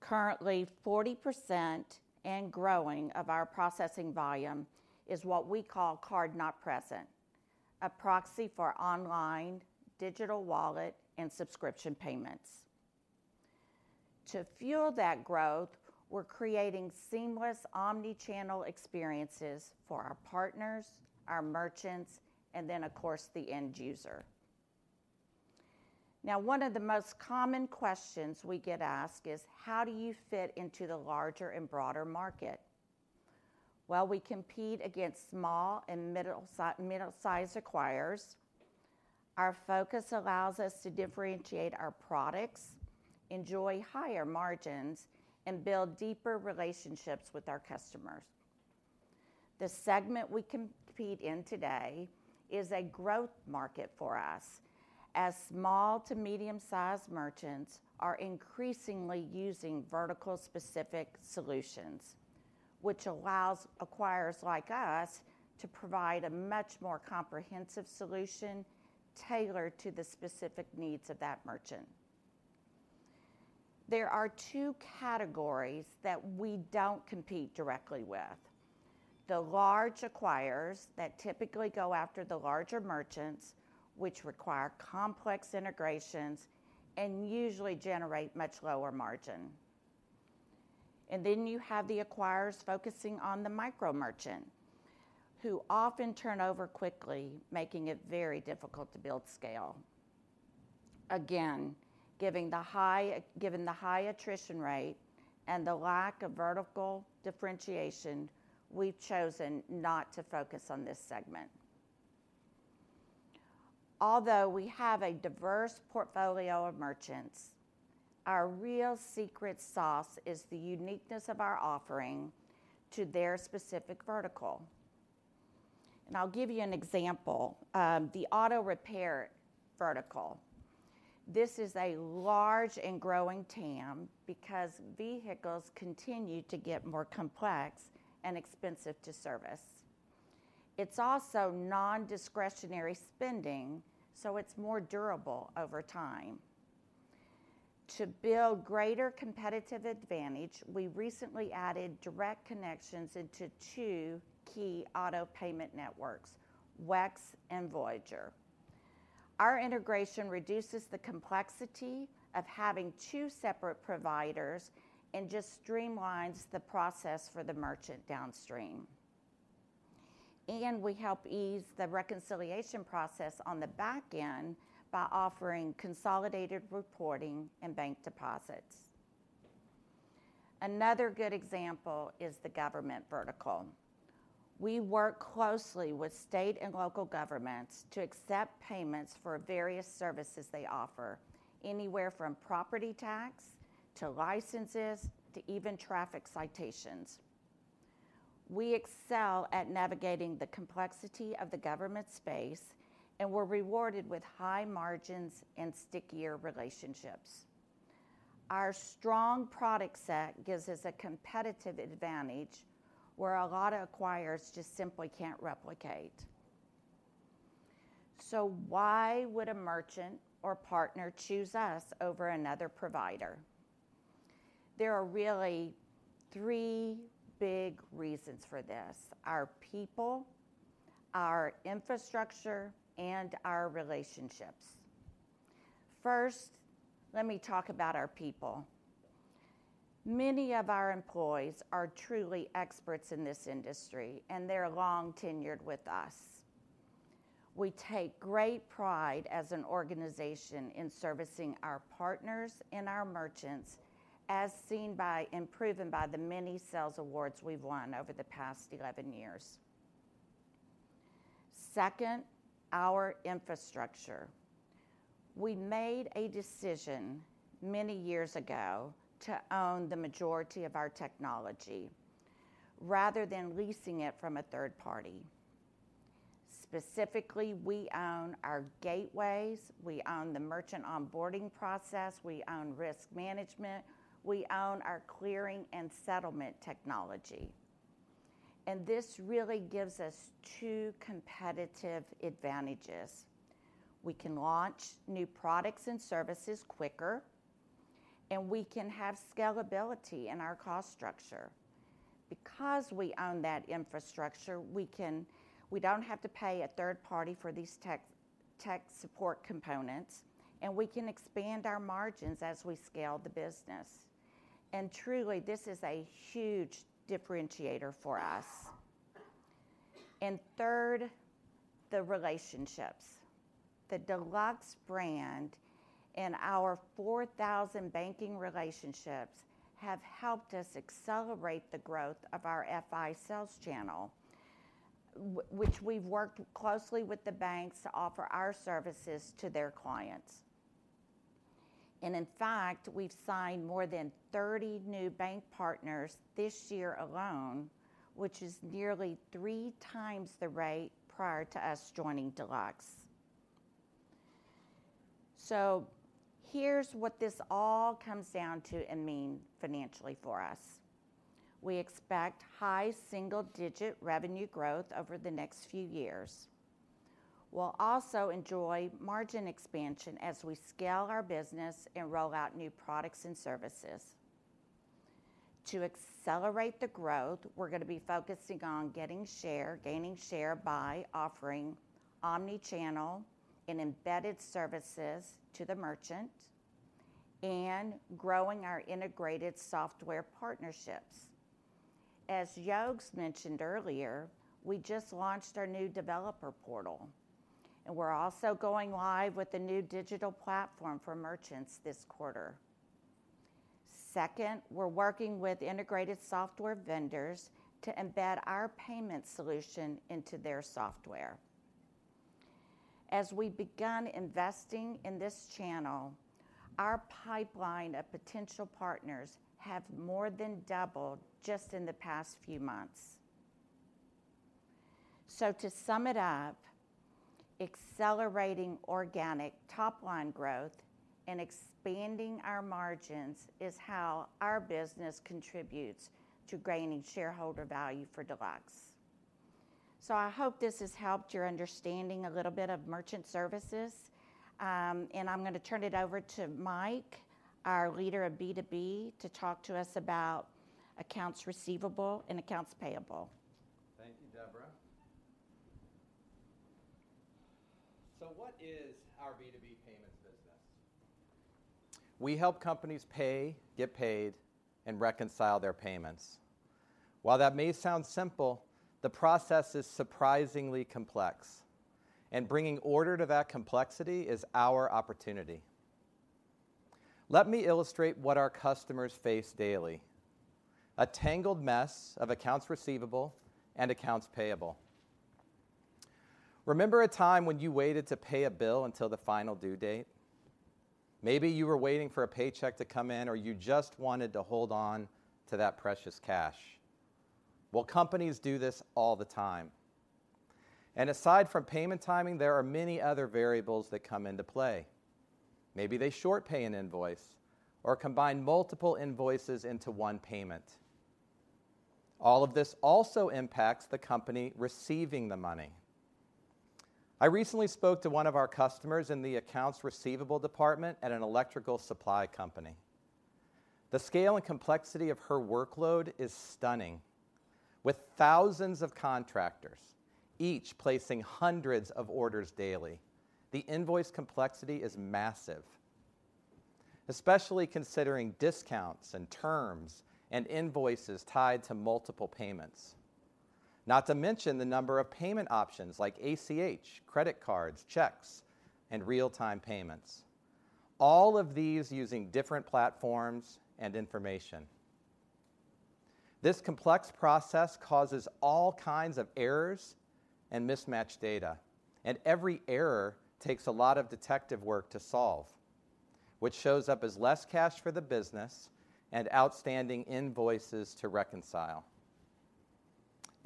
Currently, 40% and growing of our processing volume is what we call card not present, a proxy for online, digital wallet, and subscription payments. To fuel that growth, we're creating seamless omni-channel experiences for our partners, our merchants, and then, of course, the end user. Now, one of the most common questions we get asked is: How do you fit into the larger and broader market? Well, we compete against small and middle-sized acquirers. Our focus allows us to differentiate our products, enjoy higher margins, and build deeper relationships with our customers. The segment we compete in today is a growth market for us, as small to medium-sized merchants are increasingly using vertical-specific solutions, which allows acquirers like us to provide a much more comprehensive solution tailored to the specific needs of that merchant. There are two categories that we don't compete directly with: the large acquirers that typically go after the larger merchants, which require complex integrations and usually generate much lower margin. Then you have the acquirers focusing on the micro merchant, who often turn over quickly, making it very difficult to build scale. Again, given the high attrition rate and the lack of vertical differentiation, we've chosen not to focus on this segment. Although we have a diverse portfolio of merchants, our real secret sauce is the uniqueness of our offering to their specific vertical. And I'll give you an example, the auto repair vertical. This is a large and growing TAM because vehicles continue to get more complex and expensive to service. It's also non-discretionary spending, so it's more durable over time. To build greater competitive advantage, we recently added direct connections into two key auto payment networks, WEX and Voyager. Our integration reduces the complexity of having two separate providers and just streamlines the process for the merchant downstream. And we help ease the reconciliation process on the back end by offering consolidated reporting and bank deposits. Another good example is the government vertical. We work closely with state and local governments to accept payments for various services they offer, anywhere from property tax to licenses to even traffic citations. We excel at navigating the complexity of the government space, and we're rewarded with high margins and stickier relationships. Our strong product set gives us a competitive advantage where a lot of acquirers just simply can't replicate. So why would a merchant or partner choose us over another provider? There are really three big reasons for this: our people, our infrastructure, and our relationships. First, let me talk about our people. Many of our employees are truly experts in this industry, and they're long-tenured with us. We take great pride as an organization in servicing our partners and our merchants, as seen by and proven by the many sales awards we've won over the past 11 years. Second, our infrastructure. We made a decision many years ago to own the majority of our technology, rather than leasing it from a third party. Specifically, we own our gateways, we own the merchant onboarding process, we own risk management, we own our clearing and settlement technology, and this really gives us two competitive advantages. We can launch new products and services quicker and we can have scalability in our cost structure. Because we own that infrastructure, we can, we don't have to pay a third party for these tech support components, and we can expand our margins as we scale the business. And truly, this is a huge differentiator for us. And third, the relationships. The Deluxe brand and our 4,000 banking relationships have helped us accelerate the growth of our FI sales channel, which we've worked closely with the banks to offer our services to their clients. And in fact, we've signed more than 30 new bank partners this year alone, which is nearly 3 times the rate prior to us joining Deluxe. So here's what this all comes down to and mean financially for us. We expect high single-digit revenue growth over the next few years. We'll also enjoy margin expansion as we scale our business and roll out new products and services. To accelerate the growth, we're gonna be focusing on getting share, gaining share by offering omni-channel and embedded services to the merchant and growing our integrated software partnerships. As Yogesh mentioned earlier, we just launched our new developer portal, and we're also going live with the new digital platform for merchants this quarter. Second, we're working with integrated software vendors to embed our payment solution into their software. As we've begun investing in this channel, our pipeline of potential partners have more than doubled just in the past few months. So to sum it up, accelerating organic top-line growth and expanding our margins is how our business contributes to gaining shareholder value for Deluxe. So I hope this has helped your understanding a little bit of merchant services, and I'm gonna turn it over to Mike, our leader of B2B, to talk to us about accounts receivable and accounts payable. Thank you, Debra. So what is our B2B payments business? We help companies pay, get paid, and reconcile their payments. While that may sound simple, the process is surprisingly complex, and bringing order to that complexity is our opportunity. Let me illustrate what our customers face daily, a tangled mess of accounts receivable and accounts payable. Remember a time when you waited to pay a bill until the final due date? Maybe you were waiting for a paycheck to come in, or you just wanted to hold on to that precious cash. Well, companies do this all the time. Aside from payment timing, there are many other variables that come into play. Maybe they short pay an invoice or combine multiple invoices into one payment. All of this also impacts the company receiving the money. I recently spoke to one of our customers in the accounts receivable department at an electrical supply company. The scale and complexity of her workload is stunning. With thousands of contractors, each placing hundreds of orders daily, the invoice complexity is massive, especially considering discounts and terms and invoices tied to multiple payments. Not to mention the number of payment options like ACH, credit cards, checks, and real-time payments, all of these using different platforms and information. This complex process causes all kinds of errors and mismatched data, and every error takes a lot of detective work to solve, which shows up as less cash for the business and outstanding invoices to reconcile.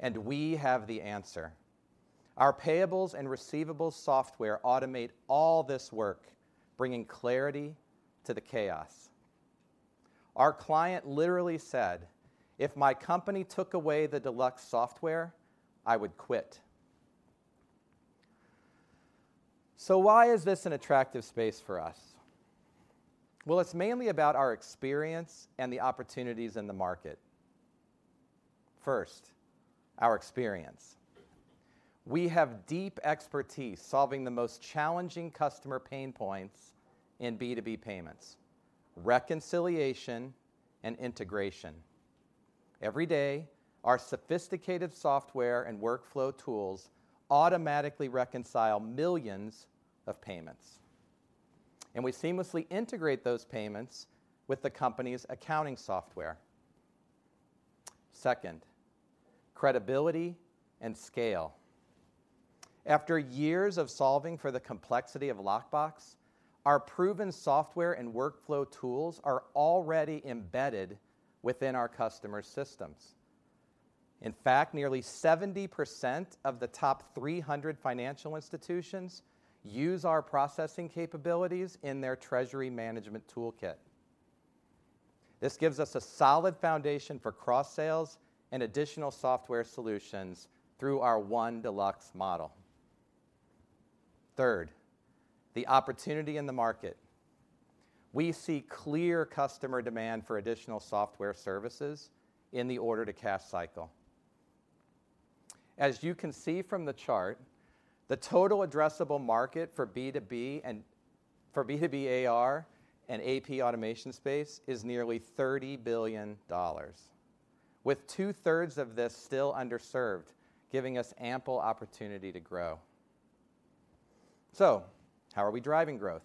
And we have the answer. Our payables and receivables software automate all this work, bringing clarity to the chaos. Our client literally said, "If my company took away the Deluxe software, I would quit." So why is this an attractive space for us? Well, it's mainly about our experience and the opportunities in the market. First, our experience. We have deep expertise solving the most challenging customer pain points in B2B payments, reconciliation and integration. Every day, our sophisticated software and workflow tools automatically reconcile millions of payments, and we seamlessly integrate those payments with the company's accounting software. Second, credibility and scale. After years of solving for the complexity of Lockbox, our proven software and workflow tools are already embedded within our customer systems. In fact, nearly 70% of the top 300 financial institutions use our processing capabilities in their treasury management toolkit. This gives us a solid foundation for cross-sales and additional software solutions through our One Deluxe model.... Third, the opportunity in the market. We see clear customer demand for additional software services in the order-to-cash cycle. As you can see from the chart, the total addressable market for B2B and for B2B AR and AP automation space is nearly $30 billion, with two-thirds of this still underserved, giving us ample opportunity to grow. So how are we driving growth?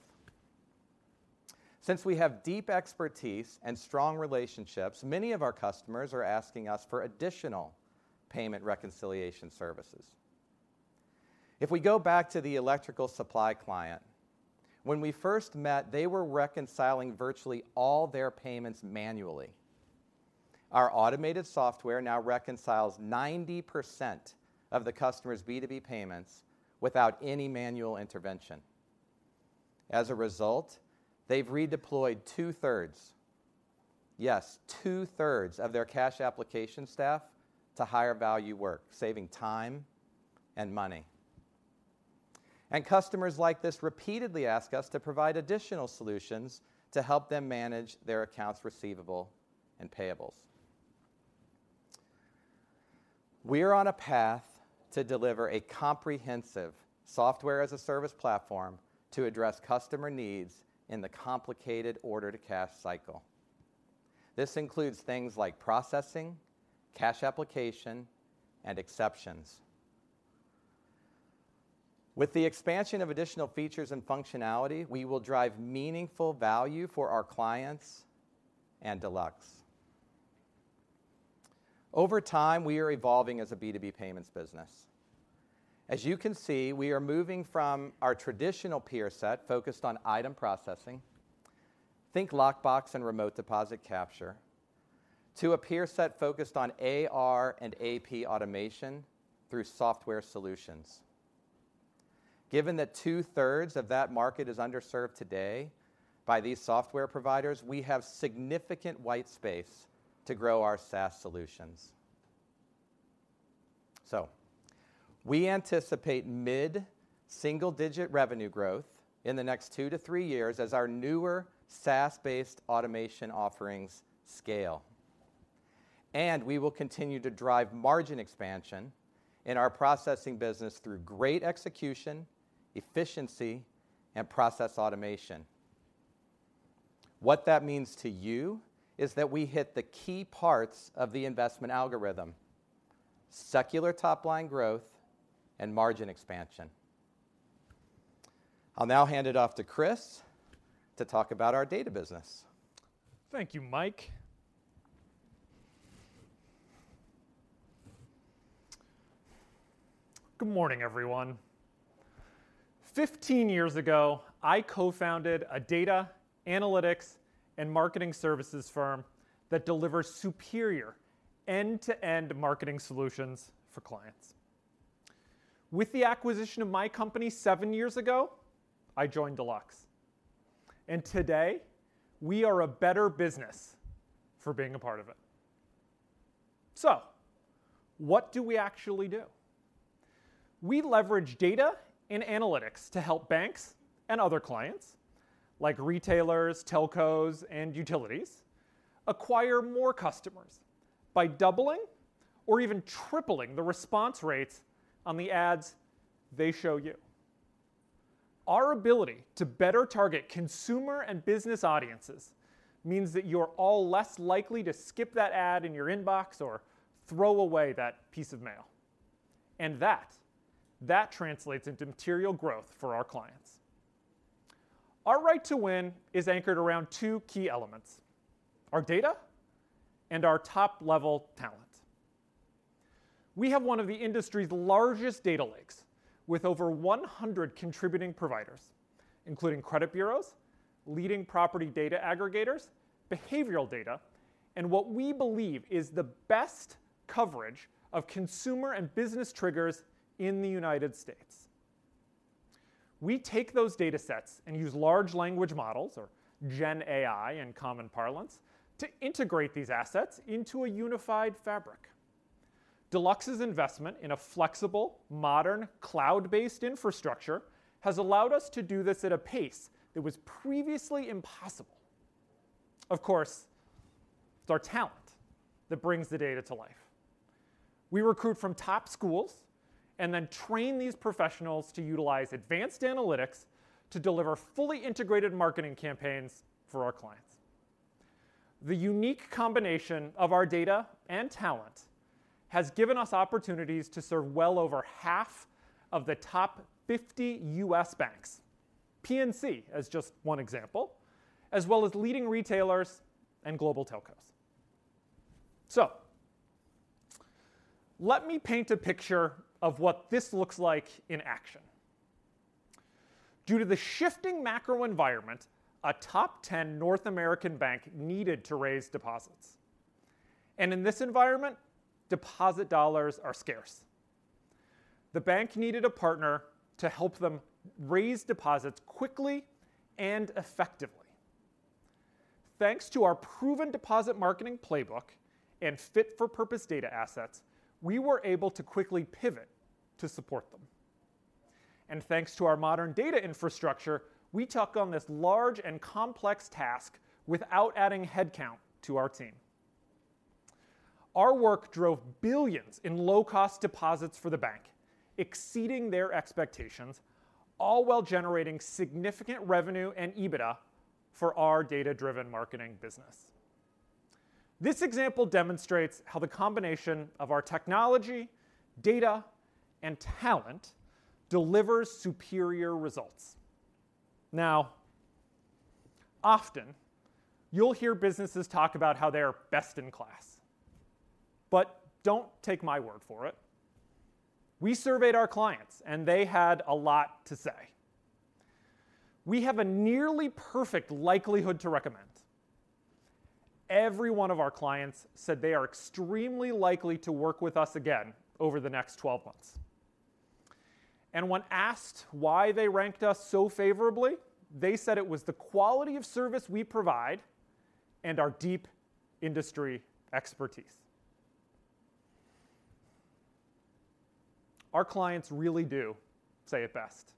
Since we have deep expertise and strong relationships, many of our customers are asking us for additional payment reconciliation services. If we go back to the electrical supply client, when we first met, they were reconciling virtually all their payments manually. Our automated software now reconciles 90% of the customer's B2B payments without any manual intervention. As a result, they've redeployed two-thirds, yes, two-thirds of their cash application staff to higher value work, saving time and money. Customers like this repeatedly ask us to provide additional solutions to help them manage their accounts receivable and payables. We are on a path to deliver a comprehensive software-as-a-service platform to address customer needs in the complicated order-to-cash cycle. This includes things like processing, cash application, and exceptions. With the expansion of additional features and functionality, we will drive meaningful value for our clients and Deluxe. Over time, we are evolving as a B2B payments business. As you can see, we are moving from our traditional peer set, focused on item processing, think Lockbox and Remote Deposit Capture, to a peer set focused on AR and AP automation through software solutions. Given that two-thirds of that market is underserved today by these software providers, we have significant white space to grow our SaaS solutions. So we anticipate mid-single-digit revenue growth in the next 2 to 3 years as our newer SaaS-based automation offerings scale. And we will continue to drive margin expansion in our processing business through great execution, efficiency, and process automation. What that means to you is that we hit the key parts of the investment algorithm: secular top-line growth and margin expansion. I'll now hand it off to Chris to talk about our data business. Thank you, Mike. Good morning, everyone. 15 years ago, I co-founded a data, analytics, and marketing services firm that delivers superior end-to-end marketing solutions for clients. With the acquisition of my company 7 years ago, I joined Deluxe, and today we are a better business for being a part of it. So what do we actually do? We leverage data and analytics to help banks and other clients, like retailers, telcos, and utilities, acquire more customers by doubling or even tripling the response rates on the ads they show you. Our ability to better target consumer and business audiences means that you're all less likely to skip that ad in your inbox or throw away that piece of mail, and that, that translates into material growth for our clients. Our right to win is anchored around 2 key elements: our data and our top-level talent. We have one of the industry's largest data lakes, with over 100 contributing providers, including credit bureaus, leading property data aggregators, behavioral data, and what we believe is the best coverage of consumer and business triggers in the United States. We take those data sets and use large language models, or Gen AI in common parlance, to integrate these assets into a unified fabric. Deluxe's investment in a flexible, modern, cloud-based infrastructure has allowed us to do this at a pace that was previously impossible. Of course, it's our talent that brings the data to life. We recruit from top schools and then train these professionals to utilize advanced analytics to deliver fully integrated marketing campaigns for our clients. The unique combination of our data and talent has given us opportunities to serve well over half of the top 50 U.S. banks, PNC as just one example, as well as leading retailers and global telcos. So let me paint a picture of what this looks like in action. Due to the shifting macro environment, a top 10 North American bank needed to raise deposits, and in this environment, deposit dollars are scarce. The bank needed a partner to help them raise deposits quickly and effectively... Thanks to our proven deposit marketing playbook and fit-for-purpose data assets, we were able to quickly pivot to support them. And thanks to our modern data infrastructure, we took on this large and complex task without adding headcount to our team. Our work drove $ billions in low-cost deposits for the bank, exceeding their expectations, all while generating significant revenue and EBITDA for our data-driven marketing business. This example demonstrates how the combination of our technology, data, and talent delivers superior results. Now, often, you'll hear businesses talk about how they are best in class, but don't take my word for it. We surveyed our clients, and they had a lot to say. We have a nearly perfect likelihood to recommend. Every one of our clients said they are extremely likely to work with us again over the next 12 months. When asked why they ranked us so favorably, they said it was the quality of service we provide and our deep industry expertise. Our clients really do say it best: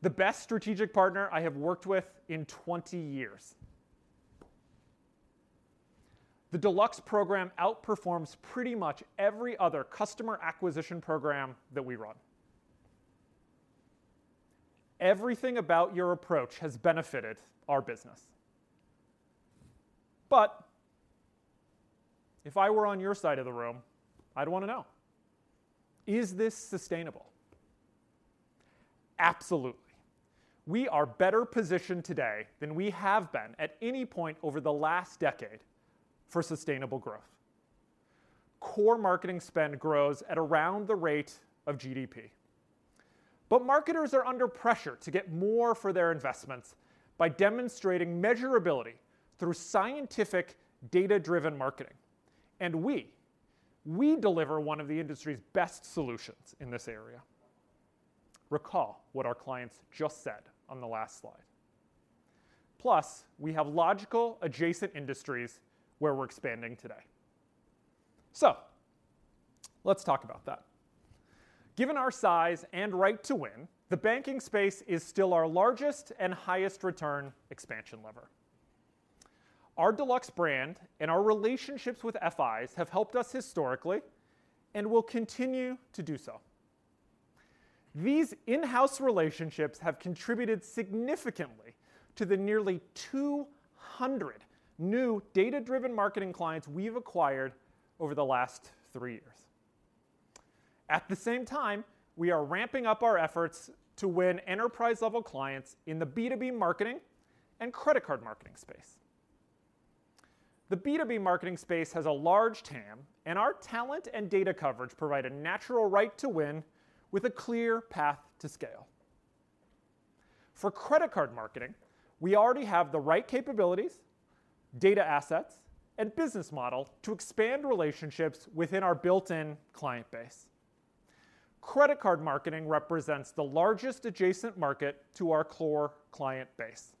"The best strategic partner I have worked with in 20 years." "The Deluxe program outperforms pretty much every other customer acquisition program that we run." "Everything about your approach has benefited our business." But if I were on your side of the room, I'd wanna know, is this sustainable? Absolutely. We are better positioned today than we have been at any point over the last decade for sustainable growth. Core marketing spend grows at around the rate of GDP. But marketers are under pressure to get more for their investments by demonstrating measurability through scientific, data-driven marketing. And we, we deliver one of the industry's best solutions in this area. Recall what our clients just said on the last slide. Plus, we have logical, adjacent industries where we're expanding today. So let's talk about that. Given our size and right to win, the banking space is still our largest and highest return expansion lever. Our Deluxe brand and our relationships with F.I.s have helped us historically and will continue to do so. These in-house relationships have contributed significantly to the nearly 200 new data-driven marketing clients we've acquired over the last three years. At the same time, we are ramping up our efforts to win enterprise-level clients in the B2B marketing and credit card marketing space. The B2B marketing space has a large TAM, and our talent and data coverage provide a natural right to win with a clear path to scale. For credit card marketing, we already have the right capabilities, data assets, and business model to expand relationships within our built-in client base. Credit card marketing represents the largest adjacent market to our core client base.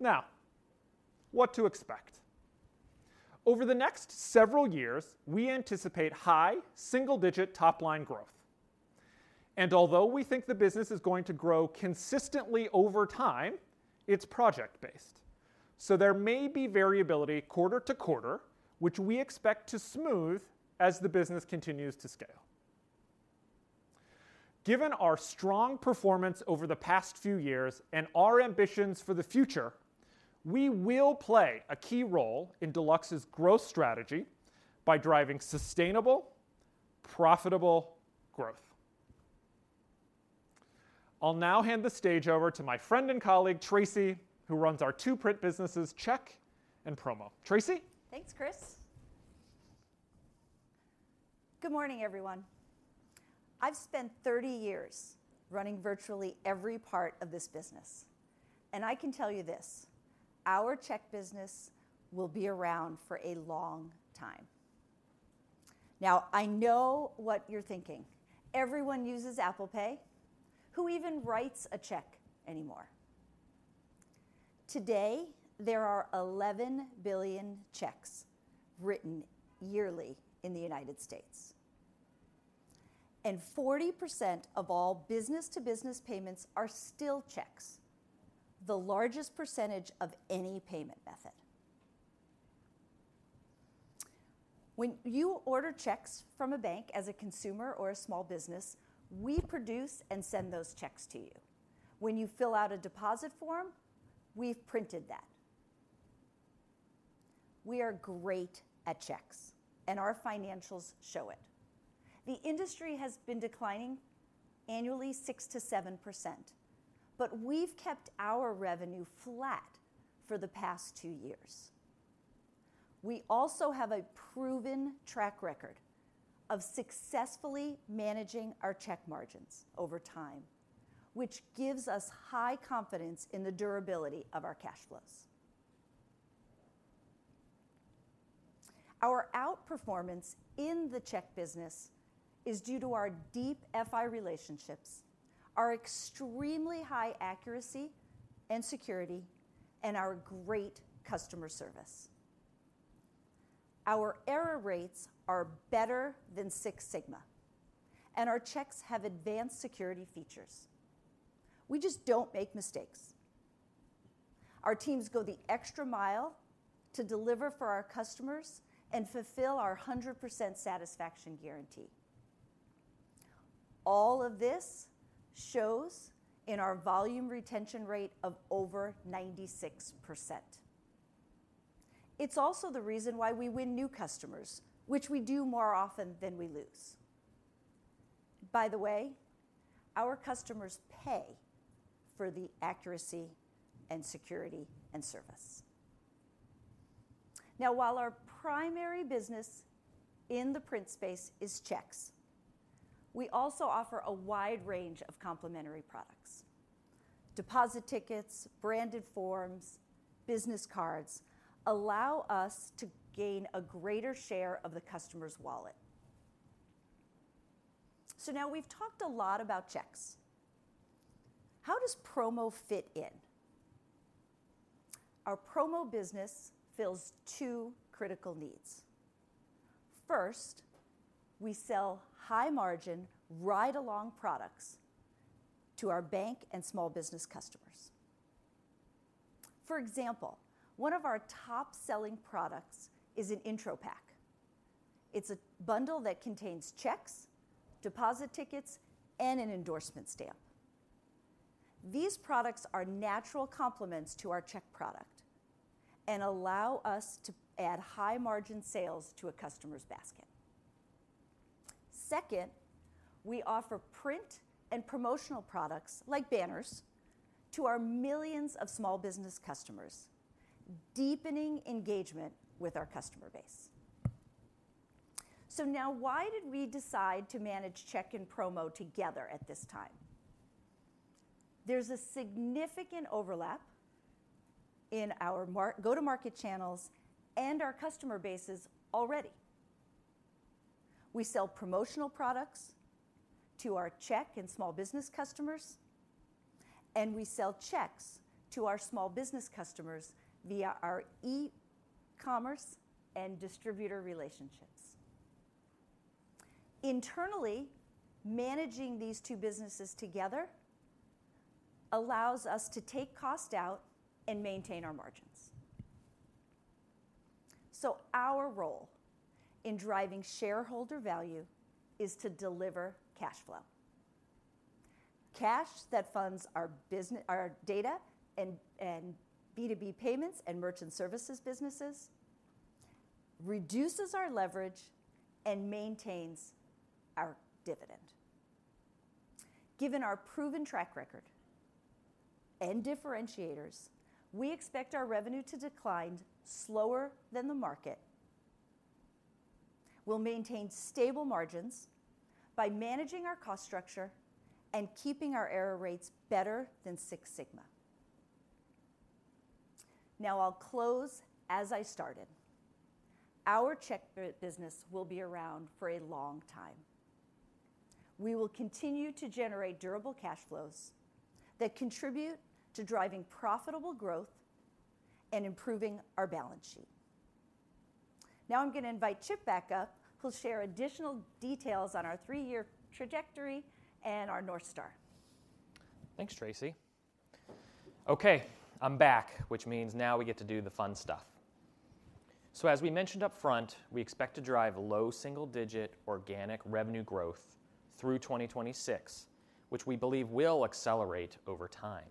Now, what to expect? Over the next several years, we anticipate high, single-digit top-line growth. Although we think the business is going to grow consistently over time, it's project-based, so there may be variability quarter-to-quarter, which we expect to smooth as the business continues to scale. Given our strong performance over the past few years and our ambitions for the future, we will play a key role in Deluxe's growth strategy by driving sustainable, profitable growth. I'll now hand the stage over to my friend and colleague, Tracy, who runs our two print businesses, Check and Promo. Tracy? Thanks, Chris. Good morning, everyone. I've spent 30 years running virtually every part of this business, and I can tell you this: our check business will be around for a long time. Now, I know what you're thinking. Everyone uses Apple Pay. Who even writes a check anymore? Today, there are 11 billion checks written yearly in the United States, and 40% of all business-to-business payments are still checks, the largest percentage of any payment method. When you order checks from a bank as a consumer or a small business, we produce and send those checks to you. When you fill out a deposit form, we've printed that. We are great at checks, and our financials show it. The industry has been declining annually 6%-7%, but we've kept our revenue flat for the past two years. We also have a proven track record of successfully managing our check margins over time, which gives us high confidence in the durability of our cash flows. Our outperformance in the check business is due to our deep FI relationships, our extremely high accuracy and security, and our great customer service. Our error rates are better than Six Sigma, and our checks have advanced security features. We just don't make mistakes. Our teams go the extra mile to deliver for our customers and fulfill our 100% satisfaction guarantee. All of this shows in our volume retention rate of over 96%. It's also the reason why we win new customers, which we do more often than we lose. By the way, our customers pay for the accuracy and security and service. Now, while our primary business in the print space is checks, we also offer a wide range of complementary products. Deposit tickets, branded forms, business cards allow us to gain a greater share of the customer's wallet. So now we've talked a lot about checks. How does promo fit in? Our promo business fills two critical needs. First, we sell high-margin, ride-along products to our bank and small business customers. For example, one of our top-selling products is an intro pack. It's a bundle that contains checks, deposit tickets, and an endorsement stamp. These products are natural complements to our check product and allow us to add high-margin sales to a customer's basket. Second, we offer print and promotional products, like banners, to our millions of small business customers, deepening engagement with our customer base. So now why did we decide to manage check and promo together at this time? There's a significant overlap in our go-to-market channels and our customer bases already. We sell promotional products to our check and small business customers, and we sell checks to our small business customers via our e-commerce and distributor relationships. Internally, managing these two businesses together allows us to take cost out and maintain our margins. So our role in driving shareholder value is to deliver cash flow. Cash that funds our business, our data and B2B payments and merchant services businesses, reduces our leverage and maintains our dividend. Given our proven track record and differentiators, we expect our revenue to decline slower than the market. We'll maintain stable margins by managing our cost structure and keeping our error rates better than Six Sigma. Now, I'll close as I started. Our check business will be around for a long time. We will continue to generate durable cash flows that contribute to driving profitable growth and improving our balance sheet. Now I'm going to invite Chip back up, who'll share additional details on our three-year trajectory and our North Star. Thanks, Tracy. Okay, I'm back, which means now we get to do the fun stuff. So as we mentioned upfront, we expect to drive low-single-digit organic revenue growth through 2026, which we believe will accelerate over time.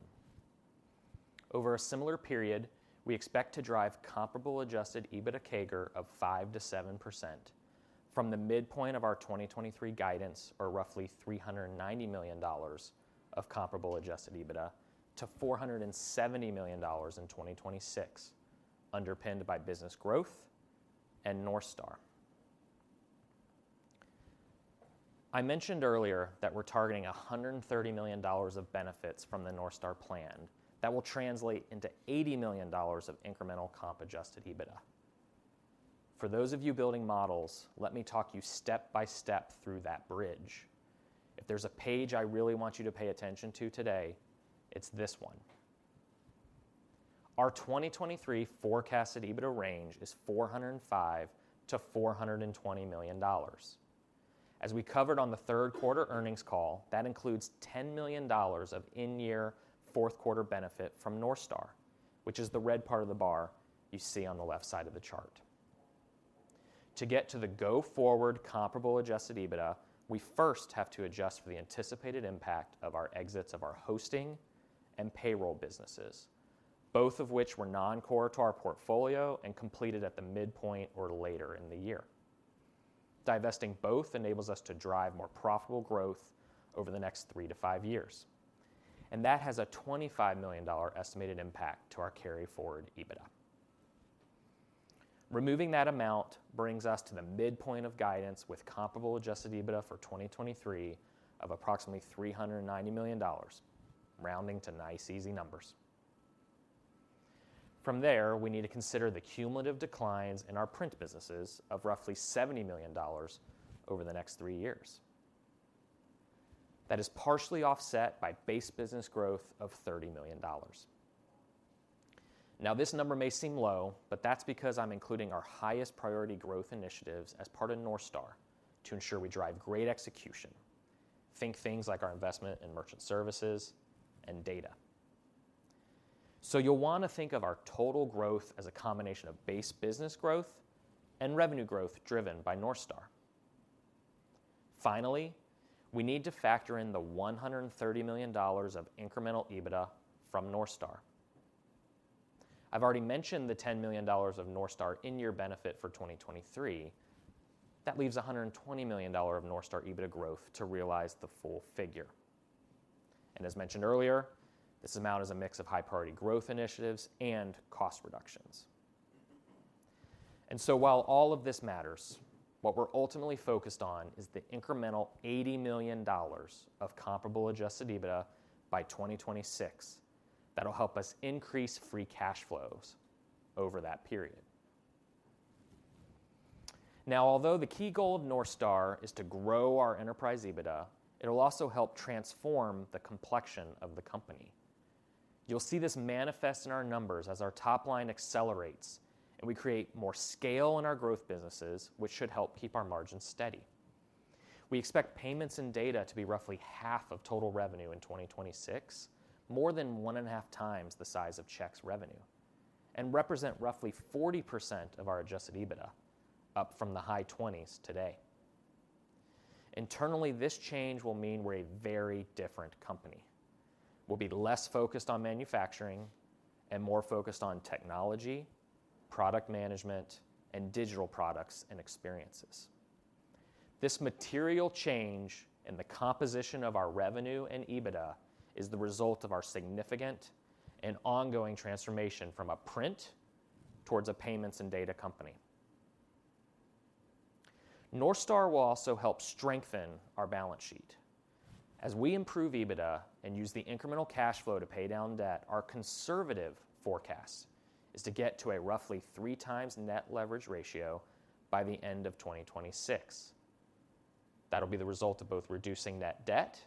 Over a similar period, we expect to drive comparable adjusted EBITDA CAGR of 5%-7% from the midpoint of our 2023 guidance or roughly $390 million of comparable adjusted EBITDA to $470 million in 2026, underpinned by business growth and North Star. I mentioned earlier that we're targeting $130 million of benefits from the North Star plan. That will translate into $80 million of incremental comp-adjusted EBITDA. For those of you building models, let me talk you step-by-step through that bridge. If there's a page I really want you to pay attention to today, it's this one. Our 2023 forecasted EBITDA range is $405 million-$420 million. As we covered on the third quarter earnings call, that includes $10 million of in-year, fourth quarter benefit from North Star, which is the red part of the bar you see on the left side of the chart. To get to the go-forward comparable adjusted EBITDA, we first have to adjust for the anticipated impact of our exits of our hosting and payroll businesses, both of which were non-core to our portfolio and completed at the midpoint or later in the year. Divesting both enables us to drive more profitable growth over the next three to five years, and that has a $25 million estimated impact to our carry forward EBITDA. Removing that amount brings us to the midpoint of guidance with comparable adjusted EBITDA for 2023 of approximately $390 million, rounding to nice, easy numbers.... From there, we need to consider the cumulative declines in our print businesses of roughly $70 million over the next 3 years. That is partially offset by base business growth of $30 million. Now, this number may seem low, but that's because I'm including our highest priority growth initiatives as part of North Star to ensure we drive great execution. Think things like our investment in Merchant Services and Data. So you'll want to think of our total growth as a combination of base business growth and revenue growth driven by North Star. Finally, we need to factor in the $130 million of incremental EBITDA from North Star. I've already mentioned the $10 million of North Star in year benefit for 2023. That leaves $120 million of North Star EBITDA growth to realize the full figure. As mentioned earlier, this amount is a mix of high-priority growth initiatives and cost reductions. So while all of this matters, what we're ultimately focused on is the incremental $80 million of comparable adjusted EBITDA by 2026. That'll help us increase free cash flows over that period. Now, although the key goal of North Star is to grow our enterprise EBITDA, it'll also help transform the complexion of the company. You'll see this manifest in our numbers as our top line accelerates, and we create more scale in our growth businesses, which should help keep our margins steady. We expect payments and data to be roughly 50% of total revenue in 2026, more than 1.5 times the size of checks revenue, and represent roughly 40% of our adjusted EBITDA, up from the high 20s% today. Internally, this change will mean we're a very different company. We'll be less focused on manufacturing and more focused on technology, product management, and digital products and experiences. This material change in the composition of our revenue and EBITDA is the result of our significant and ongoing transformation from a print towards a payments and data company. North Star will also help strengthen our balance sheet. As we improve EBITDA and use the incremental cash flow to pay down debt, our conservative forecast is to get to a roughly 3x net leverage ratio by the end of 2026. That'll be the result of both reducing that debt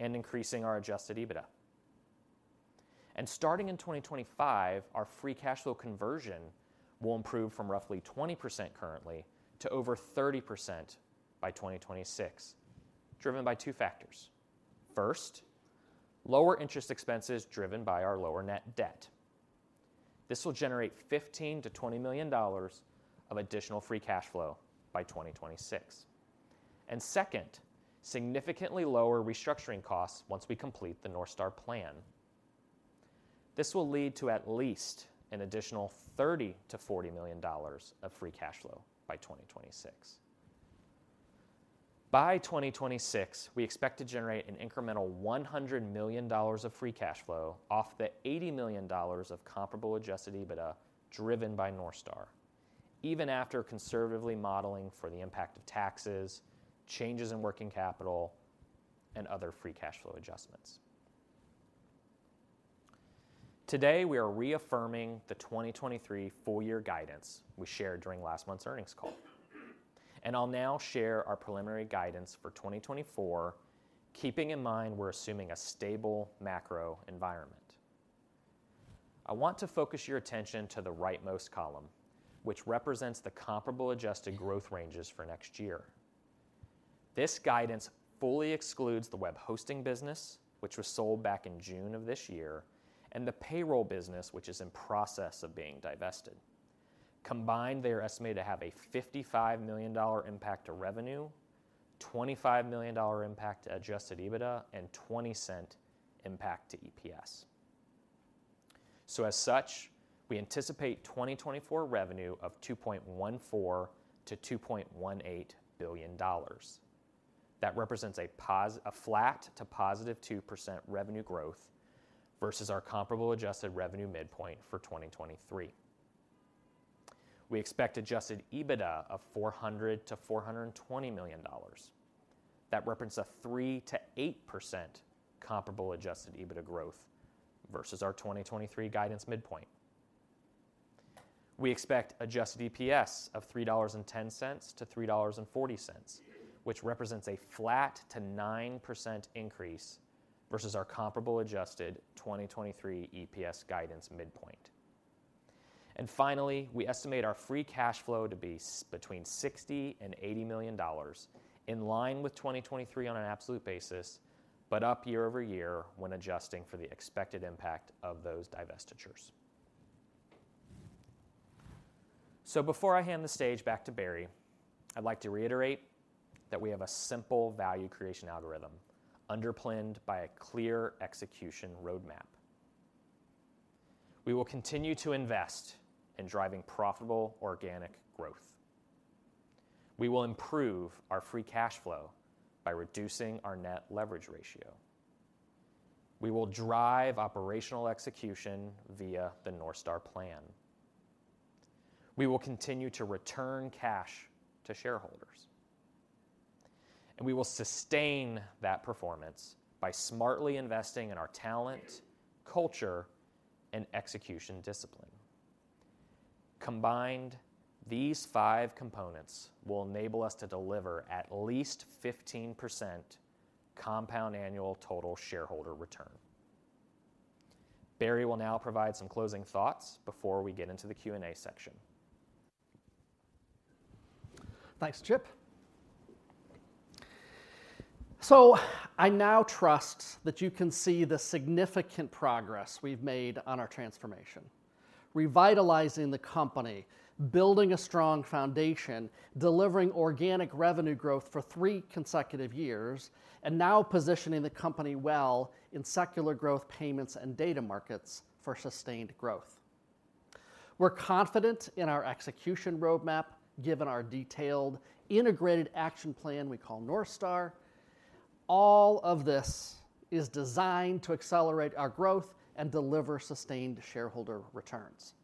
and increasing our adjusted EBITDA. Starting in 2025, our free cash flow conversion will improve from roughly 20% currently to over 30% by 2026, driven by two factors. First, lower interest expenses driven by our lower net debt. This will generate $15 million-$20 million of additional free cash flow by 2026. And second, significantly lower restructuring costs once we complete the North Star plan. This will lead to at least an additional $30 million-$40 million of free cash flow by 2026. By 2026, we expect to generate an incremental $100 million of free cash flow off the $80 million of comparable adjusted EBITDA driven by North Star, even after conservatively modeling for the impact of taxes, changes in working capital, and other free cash flow adjustments. Today, we are reaffirming the 2023 full year guidance we shared during last month's earnings call. I'll now share our preliminary guidance for 2024, keeping in mind we're assuming a stable macro environment. I want to focus your attention to the rightmost column, which represents the comparable adjusted growth ranges for next year. This guidance fully excludes the web hosting business, which was sold back in June of this year, and the payroll business, which is in process of being divested. Combined, they are estimated to have a $55 million impact to revenue, $25 million impact to adjusted EBITDA, and $0.20 impact to EPS. So as such, we anticipate 2024 revenue of $2.14-$2.18 billion. That represents a flat to positive 2% revenue growth versus our comparable adjusted revenue midpoint for 2023. We expect adjusted EBITDA of $400 million-$420 million. That represents a 3%-8% comparable adjusted EBITDA growth versus our 2023 guidance midpoint. We expect adjusted EPS of $3.10-$3.40, which represents a flat to 9% increase versus our comparable adjusted 2023 EPS guidance midpoint. And finally, we estimate our free cash flow to be between $60 million and $80 million, in line with 2023 on an absolute basis, but up year-over-year when adjusting for the expected impact of those divestitures. So before I hand the stage back to Barry, I'd like to reiterate that we have a simple value creation algorithm underpinned by a clear execution roadmap. We will continue to invest in driving profitable organic growth. We will improve our free cash flow by reducing our net leverage ratio. We will drive operational execution via the North Star plan. We will continue to return cash to shareholders... and we will sustain that performance by smartly investing in our talent, culture, and execution discipline. Combined, these five components will enable us to deliver at least 15% compound annual total shareholder return. Barry will now provide some closing thoughts before we get into the Q&A section. Thanks, Chip. So I now trust that you can see the significant progress we've made on our transformation: revitalizing the company, building a strong foundation, delivering organic revenue growth for three consecutive years, and now positioning the company well in secular growth payments and data markets for sustained growth. We're confident in our execution roadmap, given our detailed integrated action plan we call North Star. All of this is designed to accelerate our growth and deliver sustained shareholder returns.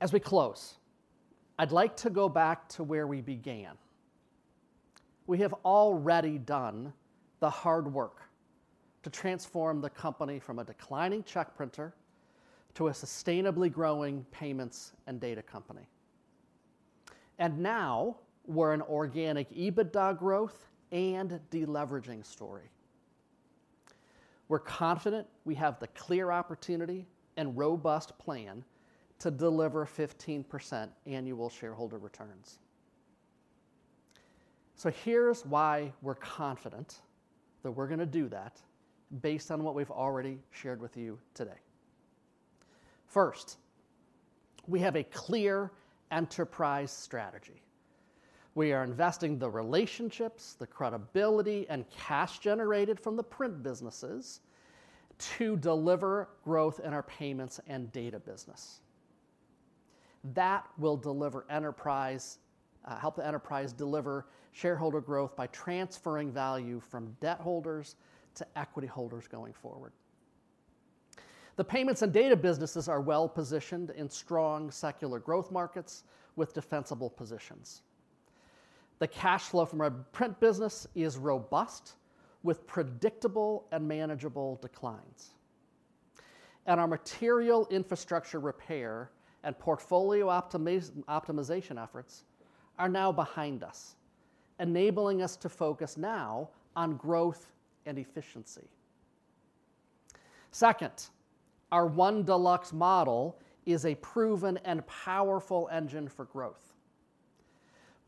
As we close, I'd like to go back to where we began. We have already done the hard work to transform the company from a declining check printer to a sustainably growing payments and data company, and now we're an organic EBITDA growth and deleveraging story. We're confident we have the clear opportunity and robust plan to deliver 15% annual shareholder returns. So here's why we're confident that we're gonna do that based on what we've already shared with you today. First, we have a clear enterprise strategy. We are investing the relationships, the credibility, and cash generated from the print businesses to deliver growth in our payments and data business. That will deliver enterprise, help the enterprise deliver shareholder growth by transferring value from debt holders to equity holders going forward. The payments and data businesses are well-positioned in strong secular growth markets with defensible positions. The cash flow from our print business is robust, with predictable and manageable declines. And our material infrastructure repair and portfolio optimization efforts are now behind us, enabling us to focus now on growth and efficiency. Second, our One Deluxe model is a proven and powerful engine for growth.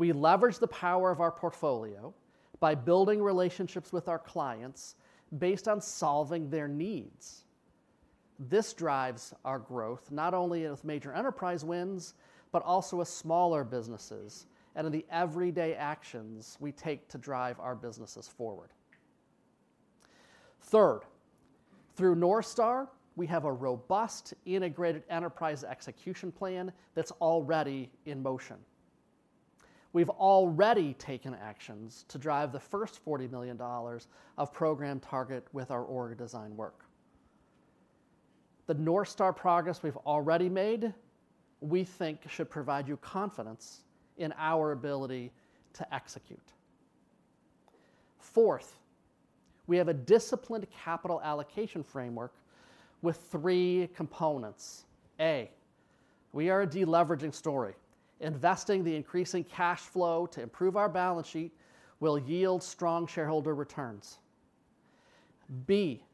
We leverage the power of our portfolio by building relationships with our clients based on solving their needs. This drives our growth, not only with major enterprise wins, but also with smaller businesses and in the everyday actions we take to drive our businesses forward. Third, through North Star, we have a robust integrated enterprise execution plan that's already in motion. We've already taken actions to drive the first $40 million of program target with our org design work. The North Star progress we've already made, we think should provide you confidence in our ability to execute. Fourth, we have a disciplined capital allocation framework with three components: A, we are a deleveraging story. Investing the increasing cash flow to improve our balance sheet will yield strong shareholder returns. B,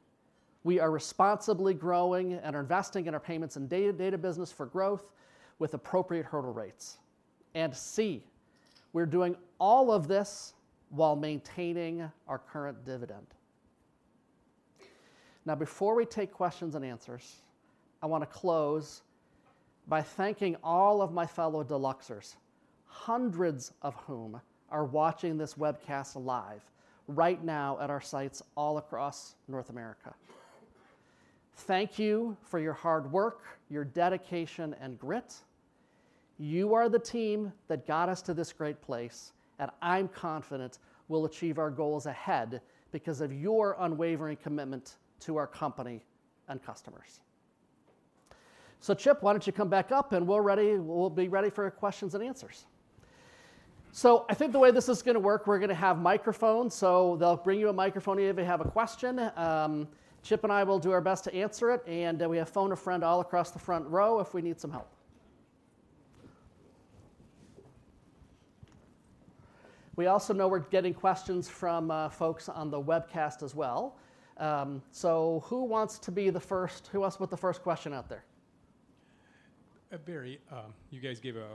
we are responsibly growing and are investing in our payments and data, data business for growth with appropriate hurdle rates. And C, we're doing all of this while maintaining our current dividend. Now, before we take questions and answers, I want to close by thanking all of my fellow Deluxers, hundreds of whom are watching this webcast live right now at our sites all across North America. Thank you for your hard work, your dedication, and grit. You are the team that got us to this great place, and I'm confident we'll achieve our goals ahead because of your unwavering commitment to our company and customers. So, Chip, why don't you come back up, and we're ready, we'll be ready for questions and answers. So I think the way this is gonna work, we're gonna have microphones, so they'll bring you a microphone if you have a question. Chip and I will do our best to answer it, and we have phone-a-friend all across the front row if we need some help. We also know we're getting questions from folks on the webcast as well. So who wants to be the first? Who wants to put the first question out there? Barry, you guys gave a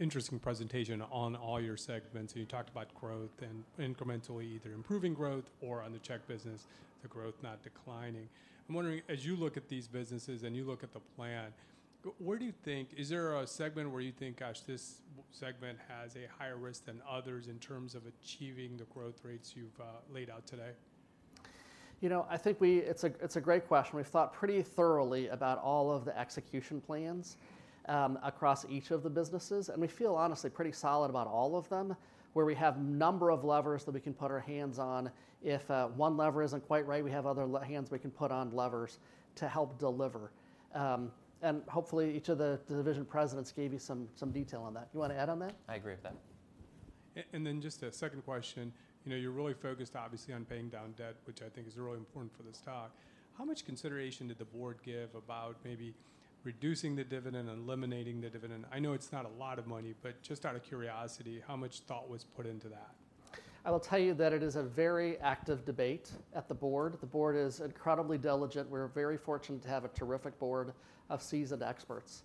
interesting presentation on all your segments, and you talked about growth and incrementally either improving growth or on the check business, the growth not declining. I'm wondering, as you look at these businesses, and you look at the plan, where do you think... Is there a segment where you think, "Gosh, this segment has a higher risk than others," in terms of achieving the growth rates you've laid out today? You know, I think it's a great question. We've thought pretty thoroughly about all of the execution plans across each of the businesses, and we feel honestly pretty solid about all of them, where we have number of levers that we can put our hands on. If one lever isn't quite right, we have other hands we can put on levers to help deliver. And hopefully, each of the division presidents gave you some detail on that. You want to add on that? I agree with that. And then just a second question: you know, you're really focused, obviously, on paying down debt, which I think is really important for the stock. How much consideration did the board give about maybe reducing the dividend, eliminating the dividend? I know it's not a lot of money, but just out of curiosity, how much thought was put into that? I will tell you that it is a very active debate at the board. The board is incredibly diligent. We're very fortunate to have a terrific board of seasoned experts.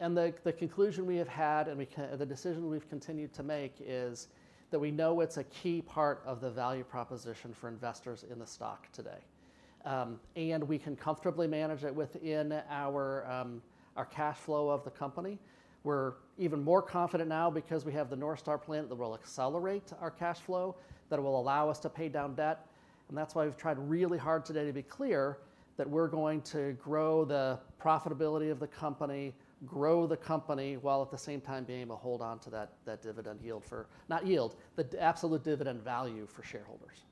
And the conclusion we have had, and the decision we've continued to make is that we know it's a key part of the value proposition for investors in the stock today. And we can comfortably manage it within our cash flow of the company. We're even more confident now because we have the North Star plan that will accelerate our cash flow, that will allow us to pay down debt, and that's why we've tried really hard today to be clear that we're going to grow the profitability of the company, grow the company, while at the same time being able to hold on to that dividend yield for—not yield, the absolute dividend value for shareholders.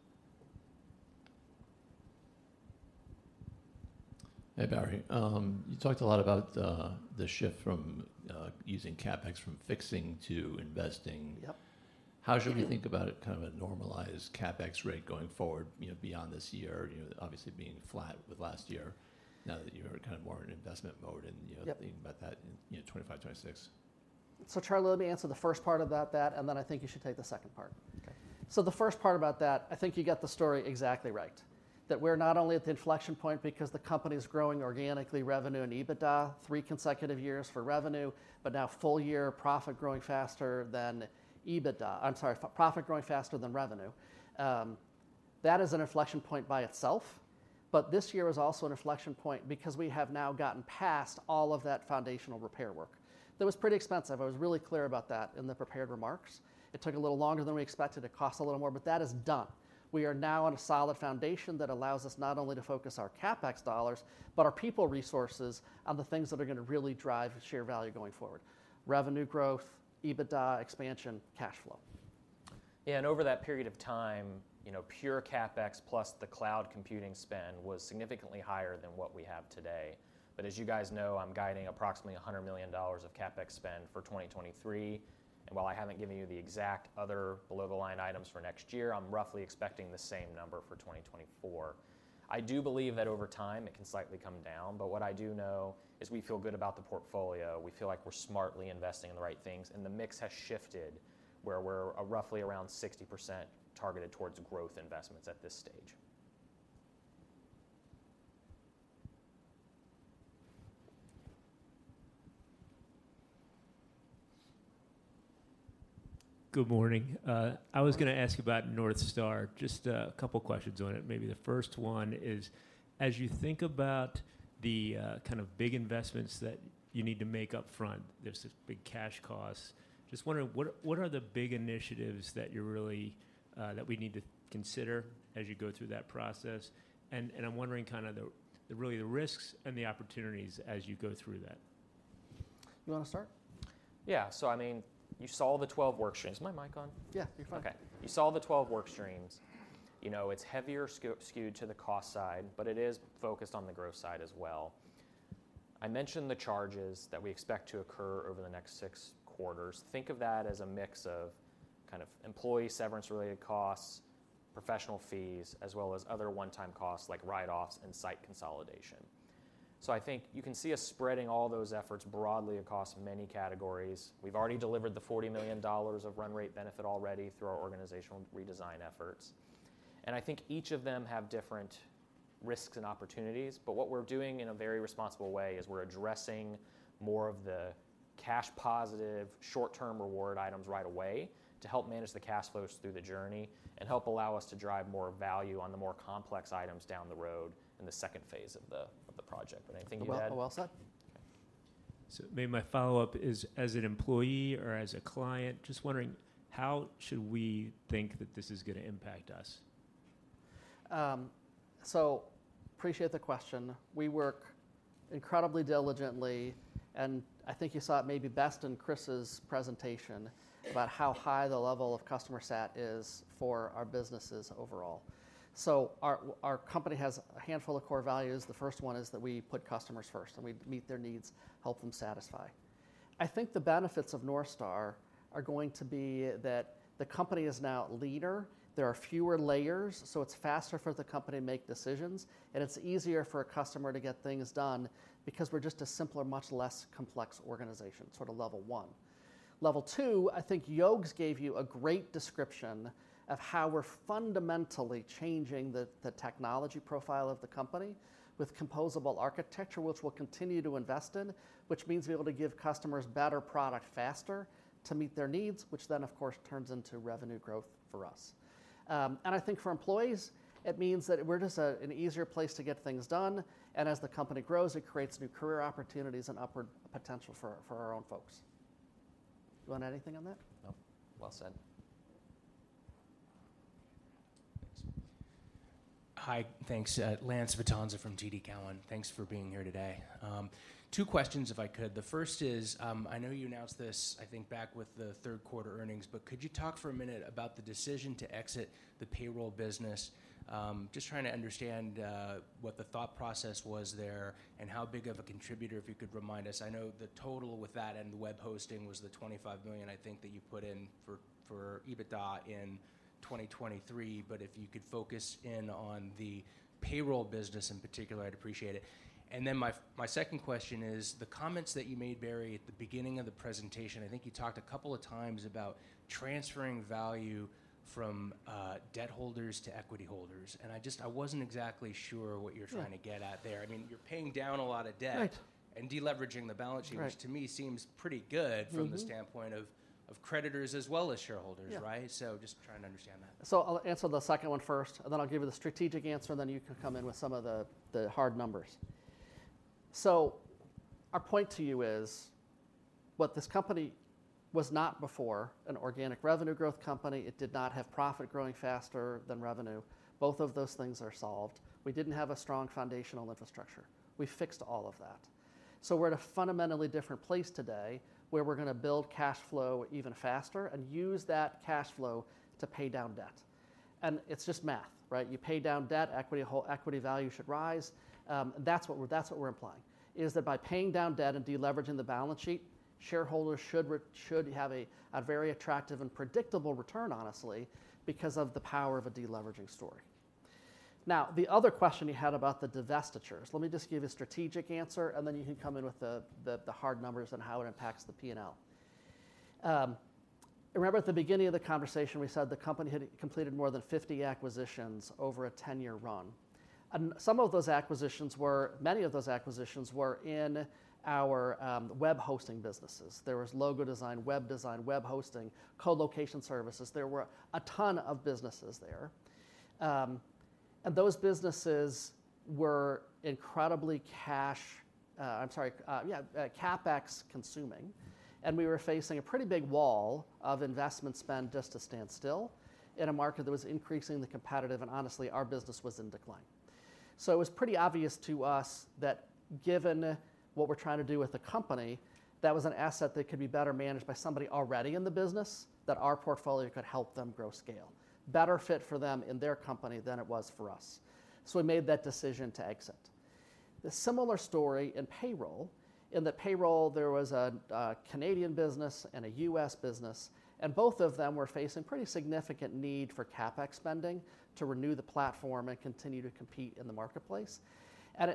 Hey, Barry. You talked a lot about the shift from using CapEx from fixing to investing. Yep. How should we think about a kind of a normalized CapEx rate going forward, you know, beyond this year? You know, obviously being flat with last year, now that you're kind of more in investment mode, and, you know- Yep... thinking about that in, you know, 2025, 2026. Charlie, let me answer the first part about that, and then I think you should take the second part. Okay. So the first part about that, I think you got the story exactly right, that we're not only at the inflection point because the company is growing organically, revenue and EBITDA, three consecutive years for revenue, but now full-year profit growing faster than EBITDA. I'm sorry, profit growing faster than revenue. That is an inflection point by itself. But this year is also an inflection point because we have now gotten past all of that foundational repair work. That was pretty expensive. I was really clear about that in the prepared remarks. It took a little longer than we expected, it cost a little more, but that is done. We are now on a solid foundation that allows us not only to focus our CapEx dollars, but our people resources on the things that are going to really drive the share value going forward: revenue growth, EBITDA expansion, cash flow. Yeah, and over that period of time, you know, pure CapEx plus the cloud computing spend was significantly higher than what we have today. But as you guys know, I'm guiding approximately $100 million of CapEx spend for 2023. And while I haven't given you the exact other below-the-line items for next year, I'm roughly expecting the same number for 2024. I do believe that over time, it can slightly come down, but what I do know is we feel good about the portfolio. We feel like we're smartly investing in the right things, and the mix has shifted, where we're roughly around 60% targeted towards growth investments at this stage. Good morning. I was going to ask about North Star. Just a couple of questions on it. Maybe the first one is: as you think about the kind of big investments that you need to make up front, there's this big cash cost. Just wondering, what are the big initiatives that you're really that we need to consider as you go through that process? And I'm wondering kind of the really the risks and the opportunities as you go through that. You want to start? Yeah. So I mean, you saw the 12 work streams. Is my mic on? Yeah, you're fine. Okay. You saw the 12 work streams. You know, it's heavier skewed to the cost side, but it is focused on the growth side as well. I mentioned the charges that we expect to occur over the next six quarters. Think of that as a mix of kind of employee severance-related costs, professional fees, as well as other one-time costs like write-offs and site consolidation. So I think you can see us spreading all those efforts broadly across many categories. We've already delivered the $40 million of run rate benefit already through our organizational redesign efforts. I think each of them have different risks and opportunities, but what we're doing in a very responsible way is we're addressing more of the cash positive, short-term reward items right away to help manage the cash flows through the journey, and help allow us to drive more value on the more complex items down the road in the second phase of the project. Anything you want to add? Well, well said. Okay. Maybe my follow-up is, as an employee or as a client, just wondering, how should we think that this is going to impact us? Appreciate the question. We work incredibly diligently, and I think you saw it maybe best in Chris's presentation about how high the level of customer sat is for our businesses overall. Our company has a handful of core values. The first one is that we put customers first, and we meet their needs, help them satisfy. I think the benefits of North Star are going to be that the company is now leaner. There are fewer layers, so it's faster for the company to make decisions, and it's easier for a customer to get things done because we're just a simpler, much less complex organization, sort of level one. Level two, I think Yogesh gave you a great description of how we're fundamentally changing the technology profile of the company with composable architecture, which we'll continue to invest in, which means we're able to give customers better product faster to meet their needs, which then, of course, turns into revenue growth for us. And I think for employees, it means that we're just an easier place to get things done, and as the company grows, it creates new career opportunities and upward potential for our own folks. You want to add anything on that? No. Well said. Thanks. Hi, thanks. Lance Vitanza from TD Cowen. Thanks for being here today. Two questions, if I could. The first is, I know you announced this, I think, back with the third quarter earnings, but could you talk for a minute about the decision to exit the payroll business? Just trying to understand, what the thought process was there and how big of a contributor, if you could remind us. I know the total with that and the web hosting was the $25 million, I think, that you put in for, for EBITDA in 2023. But if you could focus in on the payroll business in particular, I'd appreciate it. And then my second question is, the comments that you made, Barry, at the beginning of the presentation, I think you talked a couple of times about transferring value from debt holders to equity holders, and I just, I wasn't exactly sure what you're- Sure... trying to get at there. I mean, you're paying down a lot of debt- Right - and deleveraging the balance sheet- Right... which to me seems pretty good- Mm-hmm... from the standpoint of creditors as well as shareholders. Yeah. Right? So just trying to understand that. So I'll answer the second one first, and then I'll give you the strategic answer, and then you can come in with some of the, the hard numbers. So our point to you is, what this company was not before, an organic revenue growth company, it did not have profit growing faster than revenue. Both of those things are solved. We didn't have a strong foundational infrastructure. We fixed all of that. So we're at a fundamentally different place today, where we're gonna build cash flow even faster and use that cash flow to pay down debt. And it's just math, right? You pay down debt, equity value should rise. That's what we're, that's what we're implying, is that by paying down debt and deleveraging the balance sheet, shareholders should have a very attractive and predictable return, honestly, because of the power of a deleveraging story. Now, the other question you had about the divestitures. Let me just give you a strategic answer, and then you can come in with the hard numbers and how it impacts the P&L. Remember at the beginning of the conversation, we said the company had completed more than 50 acquisitions over a 10-year run, and some of those acquisitions were—many of those acquisitions were in our web hosting businesses. There was logo design, web design, web hosting, colocation services. There were a ton of businesses there. And those businesses were incredibly cash... I'm sorry, yeah, CapEx-consuming, and we were facing a pretty big wall of investment spend just to stand still in a market that was increasingly competitive, and honestly, our business was in decline. So it was pretty obvious to us that, given what we're trying to do with the company, that was an asset that could be better managed by somebody already in the business, that our portfolio could help them grow scale. Better fit for them in their company than it was for us. So we made that decision to exit. A similar story in payroll. In that payroll, there was a Canadian business and a U.S. business, and both of them were facing pretty significant need for CapEx spending to renew the platform and continue to compete in the marketplace.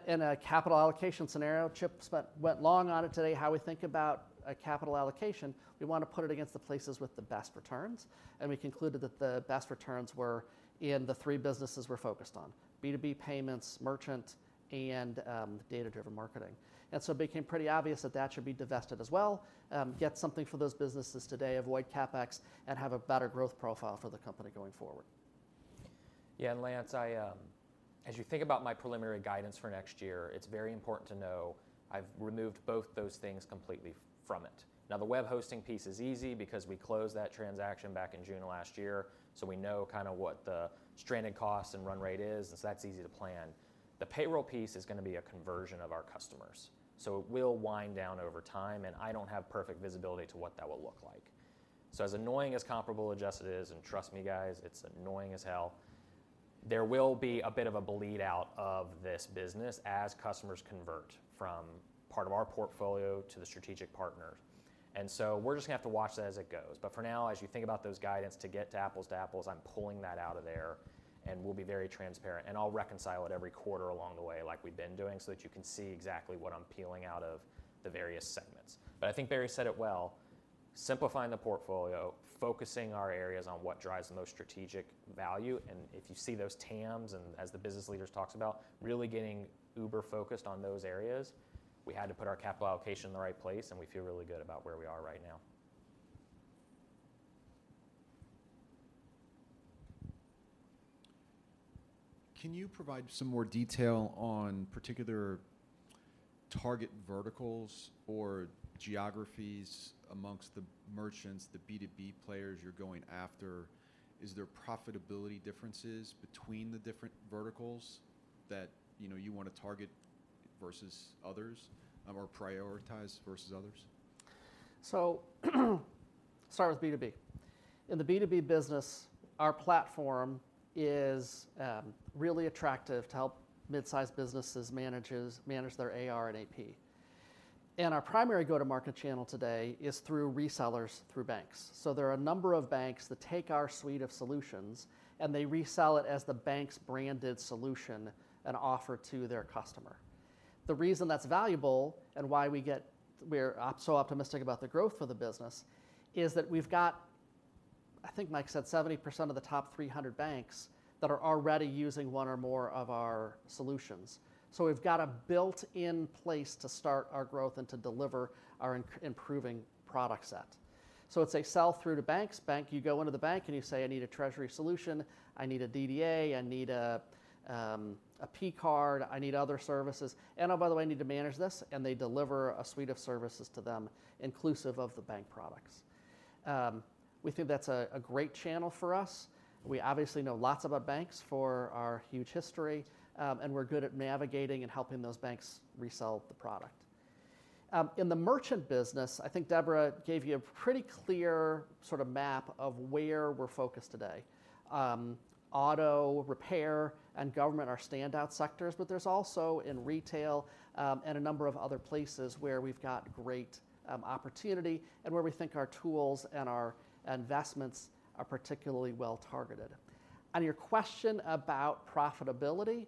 In a capital allocation scenario, Chip went long on it today, how we think about a capital allocation. We want to put it against the places with the best returns, and we concluded that the best returns were in the three businesses we're focused on: B2B payments, merchant, and data-driven marketing. So it became pretty obvious that that should be divested as well, get something for those businesses today, avoid CapEx, and have a better growth profile for the company going forward. Yeah, and Lance, I as you think about my preliminary guidance for next year, it's very important to know I've removed both those things completely from it. Now, the web hosting piece is easy because we closed that transaction back in June of last year, so we know kind of what the stranded costs and run rate is, and so that's easy to plan. The payroll piece is gonna be a conversion of our customers, so it will wind down over time, and I don't have perfect visibility to what that will look like. So as annoying as comparable adjusted is, and trust me, guys, it's annoying as hell, there will be a bit of a bleed-out of this business as customers convert from part of our portfolio to the strategic partner. And so we're just gonna have to watch that as it goes. But for now, as you think about those guidance to get to apples to apples, I'm pulling that out of there, and we'll be very transparent, and I'll reconcile it every quarter along the way, like we've been doing, so that you can see exactly what I'm peeling out of the various segments. But I think Barry said it well: simplifying the portfolio, focusing our areas on what drives the most strategic value, and if you see those TAMs and as the business leaders talks about, really getting uber-focused on those areas. We had to put our capital allocation in the right place, and we feel really good about where we are right now. Can you provide some more detail on particular target verticals or geographies amongst the merchants, the B2B players you're going after? Is there profitability differences between the different verticals that, you know, you want to target versus others, or prioritize versus others? So start with B2B. In the B2B business, our platform is really attractive to help mid-sized businesses manage their AR and AP. And our primary go-to-market channel today is through resellers, through banks. So there are a number of banks that take our suite of solutions, and they resell it as the bank's branded solution and offer to their customer. The reason that's valuable, and why we're so optimistic about the growth of the business, is that we've got, I think Mike said, 70% of the top 300 banks that are already using one or more of our solutions. So we've got a built-in place to start our growth and to deliver our improving product set. So it's a sell-through to banks. Bank, you go into the bank and you say, "I need a treasury solution. I need a DDA. I need a, a P-Card. I need other services. And, oh, by the way, I need to manage this," and they deliver a suite of services to them, inclusive of the bank products. We think that's a, a great channel for us. We obviously know lots about banks for our huge history, and we're good at navigating and helping those banks resell the product. In the merchant business, I think Debra gave you a pretty clear sort of map of where we're focused today. Auto repair and government are standout sectors, but there's also in retail, and a number of other places where we've got great opportunity and where we think our tools and our investments are particularly well-targeted... On your question about profitability,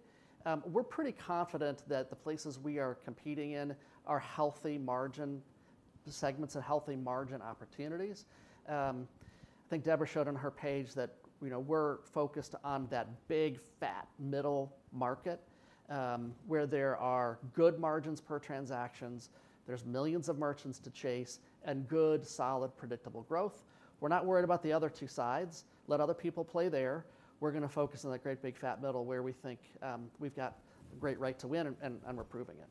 we're pretty confident that the places we are competing in are healthy margin segments and healthy margin opportunities. I think Debra showed on her page that, you know, we're focused on that big, fat, middle market, where there are good margins per transactions, there's millions of merchants to chase, and good, solid, predictable growth. We're not worried about the other two sides. Let other people play there. We're gonna focus on that great, big, fat middle, where we think, we've got a great right to win, and, and we're proving it.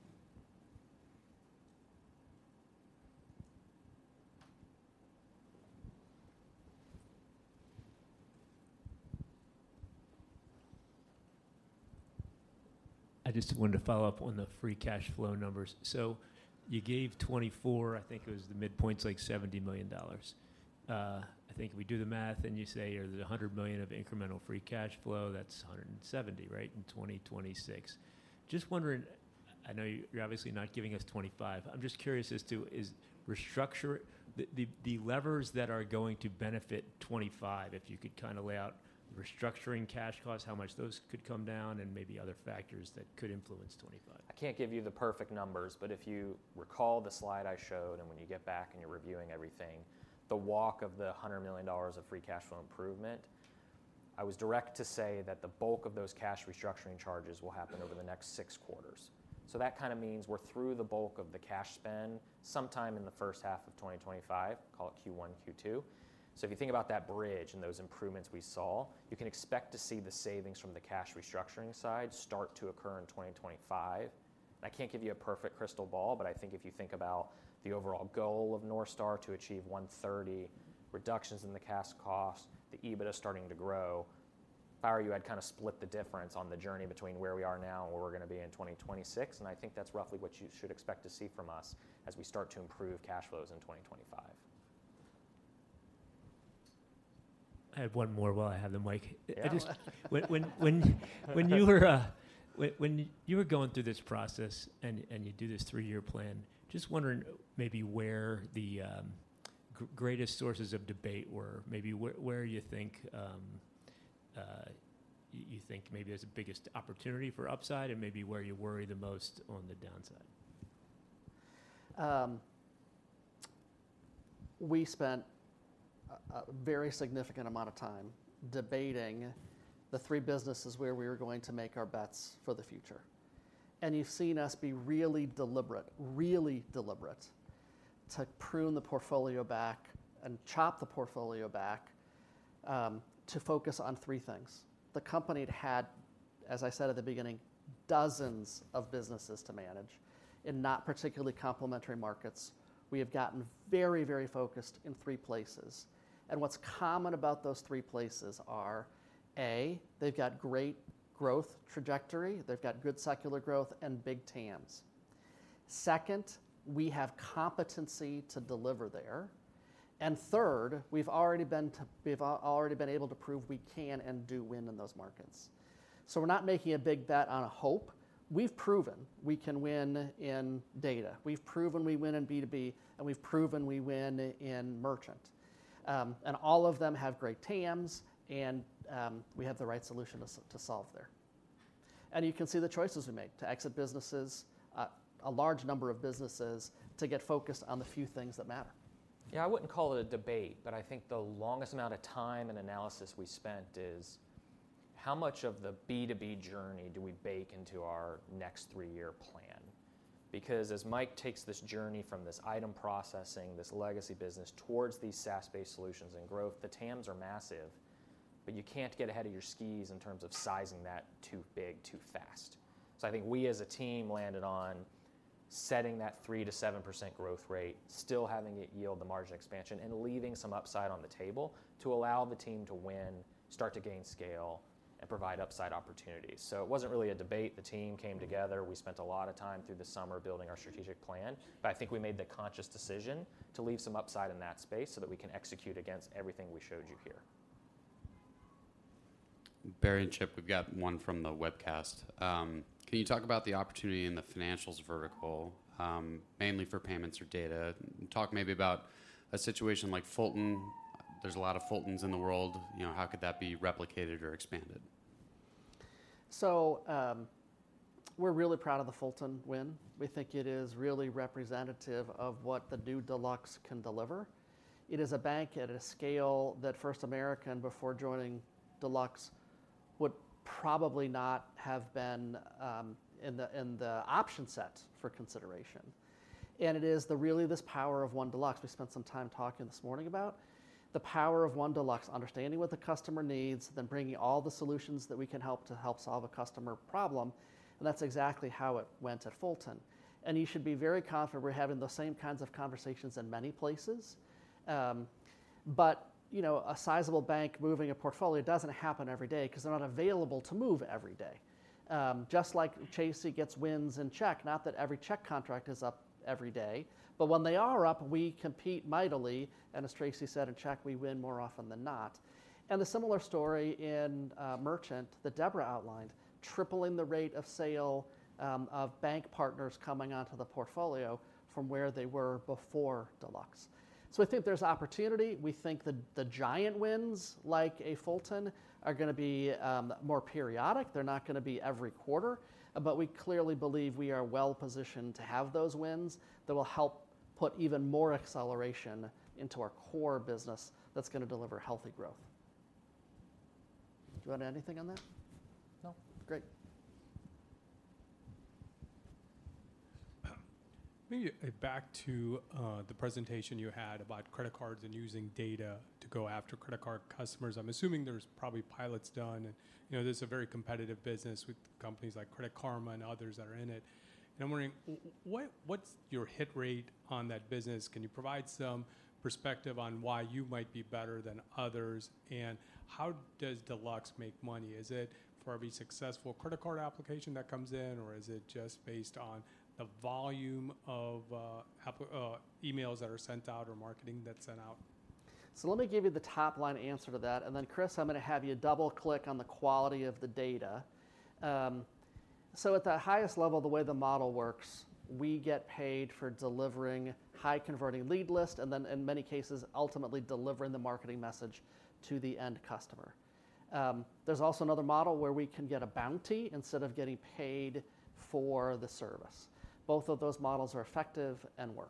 I just wanted to follow up on the free cash flow numbers. So you gave 2024, I think it was the midpoint, it's, like, $70 million. I think we do the math, and you say there's $100 million of incremental free cash flow. That's 170, right, in 2026. Just wondering- I know you're, you're obviously not giving us 2025. I'm just curious as to, is restructuring... The levers that are going to benefit 2025, if you could kinda lay out the restructuring cash flows, how much those could come down, and maybe other factors that could influence 2025. I can't give you the perfect numbers, but if you recall the slide I showed, and when you get back and you're reviewing everything, the walk of the $100 million of free cash flow improvement, I was direct to say that the bulk of those cash restructuring charges will happen over the next 6 quarters. So that kinda means we're through the bulk of the cash spend sometime in the first half of 2025, call it Q1, Q2. So if you think about that bridge and those improvements we saw, you can expect to see the savings from the cash restructuring side start to occur in 2025. I can't give you a perfect crystal ball, but I think if you think about the overall goal of North Star, to achieve 130, reductions in the cash costs, the EBITDA starting to grow. If I were you, I'd kinda split the difference on the journey between where we are now and where we're gonna be in 2026, and I think that's roughly what you should expect to see from us as we start to improve cash flows in 2025. I have one more while I have the mic. I just... When you were going through this process and you do this three-year plan, just wondering maybe where the greatest sources of debate were, maybe where you think maybe there's the biggest opportunity for upside and maybe where you worry the most on the downside? We spent a very significant amount of time debating the three businesses where we were going to make our bets for the future. And you've seen us be really deliberate, really deliberate, to prune the portfolio back and chop the portfolio back, to focus on three things. The company had had, as I said at the beginning, dozens of businesses to manage in not particularly complementary markets. We have gotten very, very focused in three places, and what's common about those three places are: A, they've got great growth trajectory, they've got good secular growth, and big TAMs. Second, we have competency to deliver there. And third, we've already been able to prove we can and do win in those markets. So we're not making a big bet on a hope. We've proven we can win in data, we've proven we win in B2B, and we've proven we win in merchant. And all of them have great TAMs, and we have the right solution to solve there. And you can see the choices we make, to exit businesses, a large number of businesses, to get focused on the few things that matter. Yeah, I wouldn't call it a debate, but I think the longest amount of time and analysis we spent is: how much of the B2B journey do we bake into our next three-year plan? Because as Mike takes this journey from this item processing, this legacy business, towards these SaaS-based solutions and growth, the TAMs are massive, but you can't get ahead of your skis in terms of sizing that too big, too fast. So I think we, as a team, landed on setting that 3%-7% growth rate, still having it yield the margin expansion, and leaving some upside on the table to allow the team to win, start to gain scale, and provide upside opportunities. So it wasn't really a debate. The team came together. We spent a lot of time through the summer building our strategic plan, but I think we made the conscious decision to leave some upside in that space so that we can execute against everything we showed you here. Barry and Chip, we've got one from the webcast. Can you talk about the opportunity in the financials vertical, mainly for payments or data? Talk maybe about a situation like Fulton. There's a lot of Fultons in the world. You know, how could that be replicated or expanded? So, we're really proud of the Fulton win. We think it is really representative of what the new Deluxe can deliver. It is a bank at a scale that First American, before joining Deluxe, would probably not have been in the option set for consideration. And it is really this power of One Deluxe. We spent some time talking this morning about the power of One Deluxe, understanding what the customer needs, then bringing all the solutions that we can help to help solve a customer problem, and that's exactly how it went at Fulton. And you should be very confident we're having the same kinds of conversations in many places. But, you know, a sizable bank moving a portfolio doesn't happen every day because they're not available to move every day. Just like Chase gets wins in check, not that every check contract is up every day, but when they are up, we compete mightily, and as Tracy said, in check, we win more often than not. And the similar story in merchant, that Debra outlined, tripling the rate of sale of bank partners coming onto the portfolio from where they were before Deluxe. So I think there's opportunity. We think the giant wins, like a Fulton, are gonna be more periodic. They're not gonna be every quarter, but we clearly believe we are well-positioned to have those wins that will help put even more acceleration into our core business that's gonna deliver healthy growth.... Do you want to add anything on that? No. Great. Maybe back to the presentation you had about credit cards and using data to go after credit card customers. I'm assuming there's probably pilots done and, you know, this is a very competitive business with companies like Credit Karma and others that are in it. And I'm wondering, what, what's your hit rate on that business? Can you provide some perspective on why you might be better than others, and how does Deluxe make money? Is it for every successful credit card application that comes in, or is it just based on the volume of emails that are sent out or marketing that's sent out? So let me give you the top-line answer to that, and then, Chris, I'm going to have you double-click on the quality of the data. So at the highest level, the way the model works, we get paid for delivering high-converting lead lists, and then, in many cases, ultimately delivering the marketing message to the end customer. There's also another model where we can get a bounty instead of getting paid for the service. Both of those models are effective and work.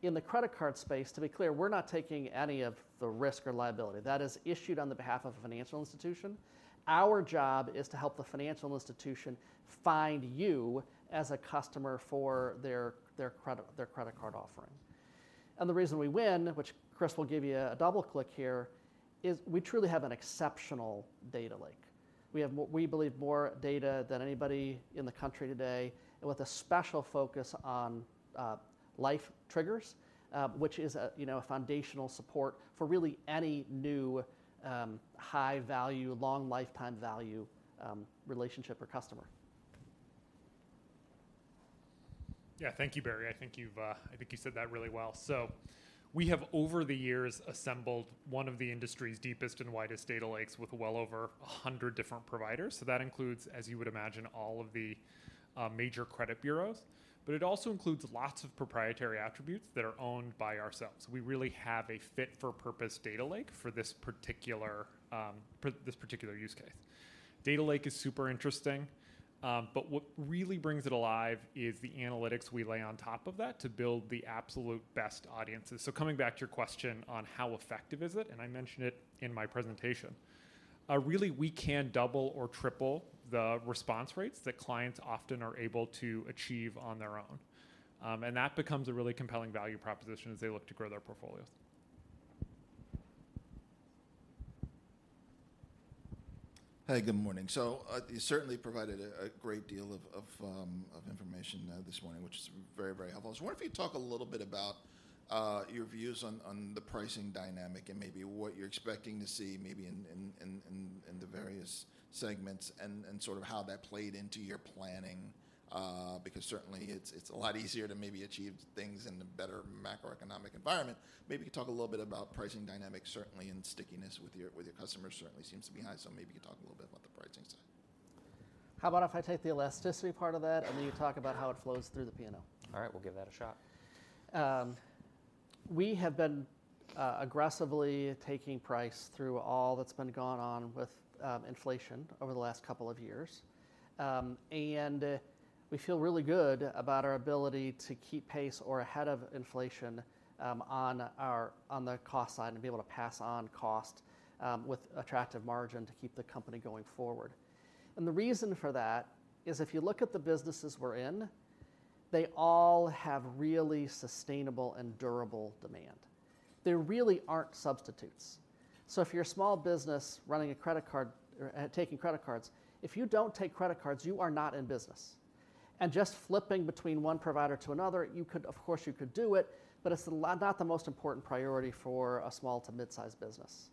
In the credit card space, to be clear, we're not taking any of the risk or liability. That is issued on behalf of a financial institution. Our job is to help the financial institution find you as a customer for their credit card offering. The reason we win, which Chris will give you a double-click here, is we truly have an exceptional data lake. We have we believe, more data than anybody in the country today, and with a special focus on, life triggers, which is a, you know, a foundational support for really any new, high-value, long-lifetime value, relationship or customer. Yeah. Thank you, Barry. I think you've, I think you said that really well. So we have, over the years, assembled one of the industry's deepest and widest data lakes, with well over 100 different providers. So that includes, as you would imagine, all of the major credit bureaus, but it also includes lots of proprietary attributes that are owned by ourselves. We really have a fit-for-purpose data lake for this particular, for this particular use case. Data lake is super interesting, but what really brings it alive is the analytics we lay on top of that to build the absolute best audiences. So coming back to your question on how effective is it, and I mention it in my presentation, really, we can double or triple the response rates that clients often are able to achieve on their own. That becomes a really compelling value proposition as they look to grow their portfolios. Hey, good morning. So, you certainly provided a great deal of information this morning, which is very, very helpful. I was wondering if you'd talk a little bit about your views on the pricing dynamic and maybe what you're expecting to see maybe in the various segments and sort of how that played into your planning. Because certainly it's a lot easier to maybe achieve things in a better macroeconomic environment. Maybe you could talk a little bit about pricing dynamics, certainly, and stickiness with your customers certainly seems to be high, so maybe you could talk a little bit about the pricing side. How about if I take the elasticity part of that, and then you talk about how it flows through the P&L? All right. We'll give that a shot. We have been aggressively taking price through all that's been going on with inflation over the last couple of years. And we feel really good about our ability to keep pace or ahead of inflation on our, on the cost side, and be able to pass on cost with attractive margin to keep the company going forward. And the reason for that is, if you look at the businesses we're in, they all have really sustainable and durable demand. There really aren't substitutes. So if you're a small business running a credit card or taking credit cards, if you don't take credit cards, you are not in business. And just flipping between one provider to another, you could. Of course, you could do it, but it's not the most important priority for a small to mid-sized business.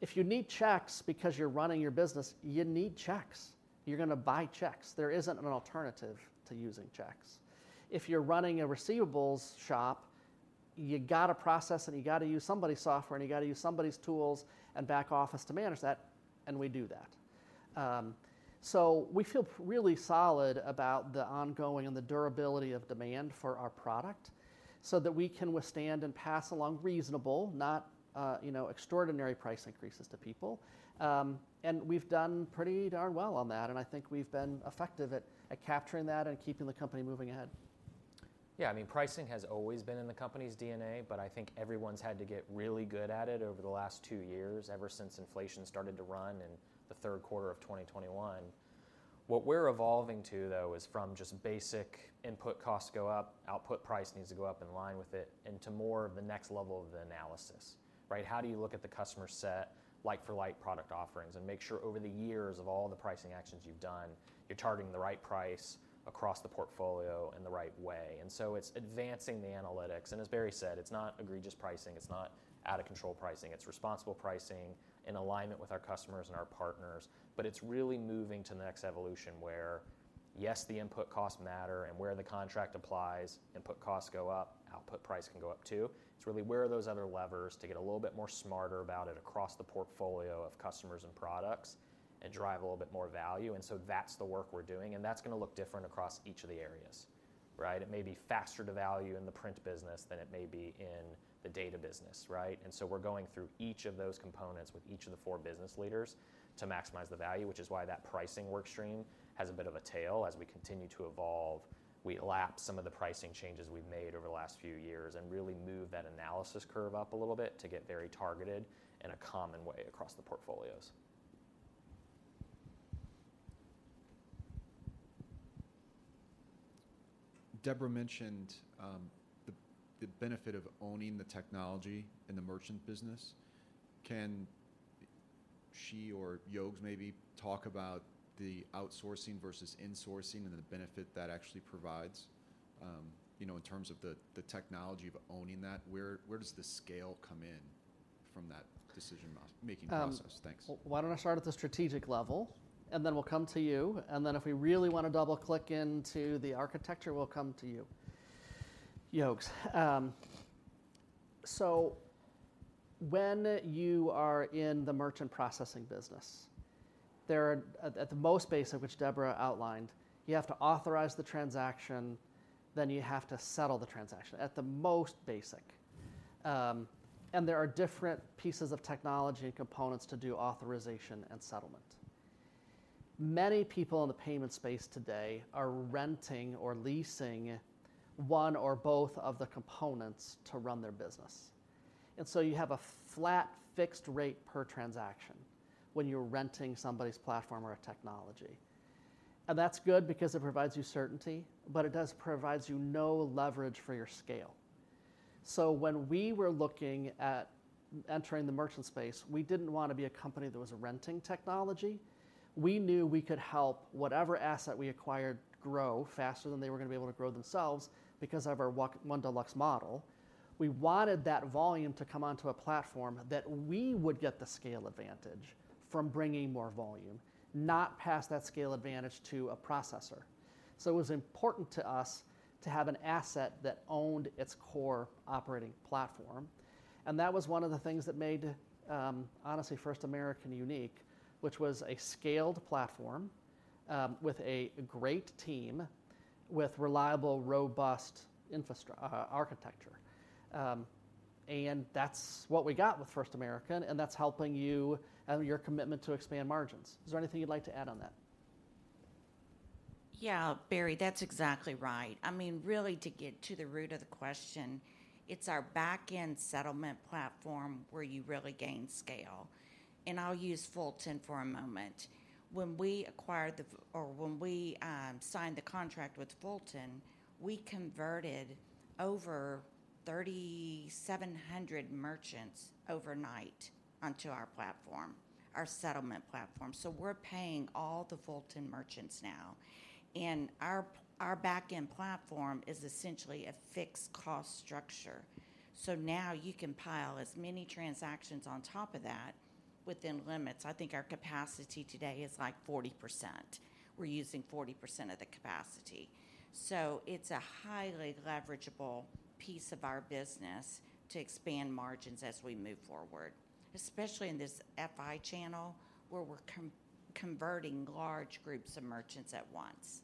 If you need checks because you're running your business, you need checks. You're going to buy checks. There isn't an alternative to using checks. If you're running a receivables shop, you've got to process and you've got to use somebody's software, and you've got to use somebody's tools and back office to manage that, and we do that. So we feel really solid about the ongoing and the durability of demand for our product so that we can withstand and pass along reasonable, not, you know, extraordinary price increases to people. And we've done pretty darn well on that, and I think we've been effective at capturing that and keeping the company moving ahead. Yeah, I mean, pricing has always been in the company's DNA, but I think everyone's had to get really good at it over the last two years, ever since inflation started to run in the third quarter of 2021. What we're evolving to, though, is from just basic input costs go up, output price needs to go up in line with it, into more of the next level of the analysis, right? How do you look at the customer set, like-for-like product offerings, and make sure over the years of all the pricing actions you've done, you're targeting the right price across the portfolio in the right way. And so it's advancing the analytics. And as Barry said, it's not egregious pricing. It's not out-of-control pricing. It's responsible pricing in alignment with our customers and our partners. But it's really moving to the next evolution, where, yes, the input costs matter, and where the contract applies, input costs go up, output price can go up, too. It's really where are those other levers to get a little bit more smarter about it across the portfolio of customers and products and drive a little bit more value. And so that's the work we're doing, and that's going to look different across each of the areas, right? It may be faster to value in the print business than it may be in the data business, right? And so we're going through each of those components with each of the four business leaders to maximize the value, which is why that pricing work stream has a bit of a tail. As we continue to evolve, we leverage some of the pricing changes we've made over the last few years and really move that analysis curve up a little bit to get very targeted in a common way across the portfolios. ... Debra mentioned the benefit of owning the technology in the merchant business. Can she or Yogs maybe talk about the outsourcing versus insourcing and the benefit that actually provides, you know, in terms of the technology of owning that? Where does the scale come in from that decision-making process? Thanks. Why don't I start at the strategic level, and then we'll come to you, and then if we really wanna double-click into the architecture, we'll come to you. Yogs, so when you are in the merchant processing business, there are at the most basic, which Debra outlined, you have to authorize the transaction, then you have to settle the transaction, at the most basic. And there are different pieces of technology and components to do authorization and settlement. Many people in the payment space today are renting or leasing one or both of the components to run their business. And so you have a flat, fixed rate per transaction when you're renting somebody's platform or a technology. And that's good because it provides you certainty, but it does provides you no leverage for your scale. So when we were looking at entering the merchant space, we didn't want to be a company that was renting technology. We knew we could help whatever asset we acquired grow faster than they were gonna be able to grow themselves because of our One Deluxe model. We wanted that volume to come onto a platform that we would get the scale advantage from bringing more volume, not pass that scale advantage to a processor. So it was important to us to have an asset that owned its core operating platform, and that was one of the things that made, honestly, First American unique, which was a scaled platform, with a great team, with reliable, robust architecture. And that's what we got with First American, and that's helping you and your commitment to expand margins. Is there anything you'd like to add on that? Yeah, Barry, that's exactly right. I mean, really, to get to the root of the question, it's our back-end settlement platform where you really gain scale. And I'll use Fulton for a moment. When we acquired or when we signed the contract with Fulton, we converted over 3,700 merchants overnight onto our platform, our settlement platform. So we're paying all the Fulton merchants now. And our back-end platform is essentially a fixed cost structure. So now you can pile as many transactions on top of that, within limits. I think our capacity today is, like, 40%. We're using 40% of the capacity. So it's a highly leverageable piece of our business to expand margins as we move forward, especially in this FI channel, where we're converting large groups of merchants at once.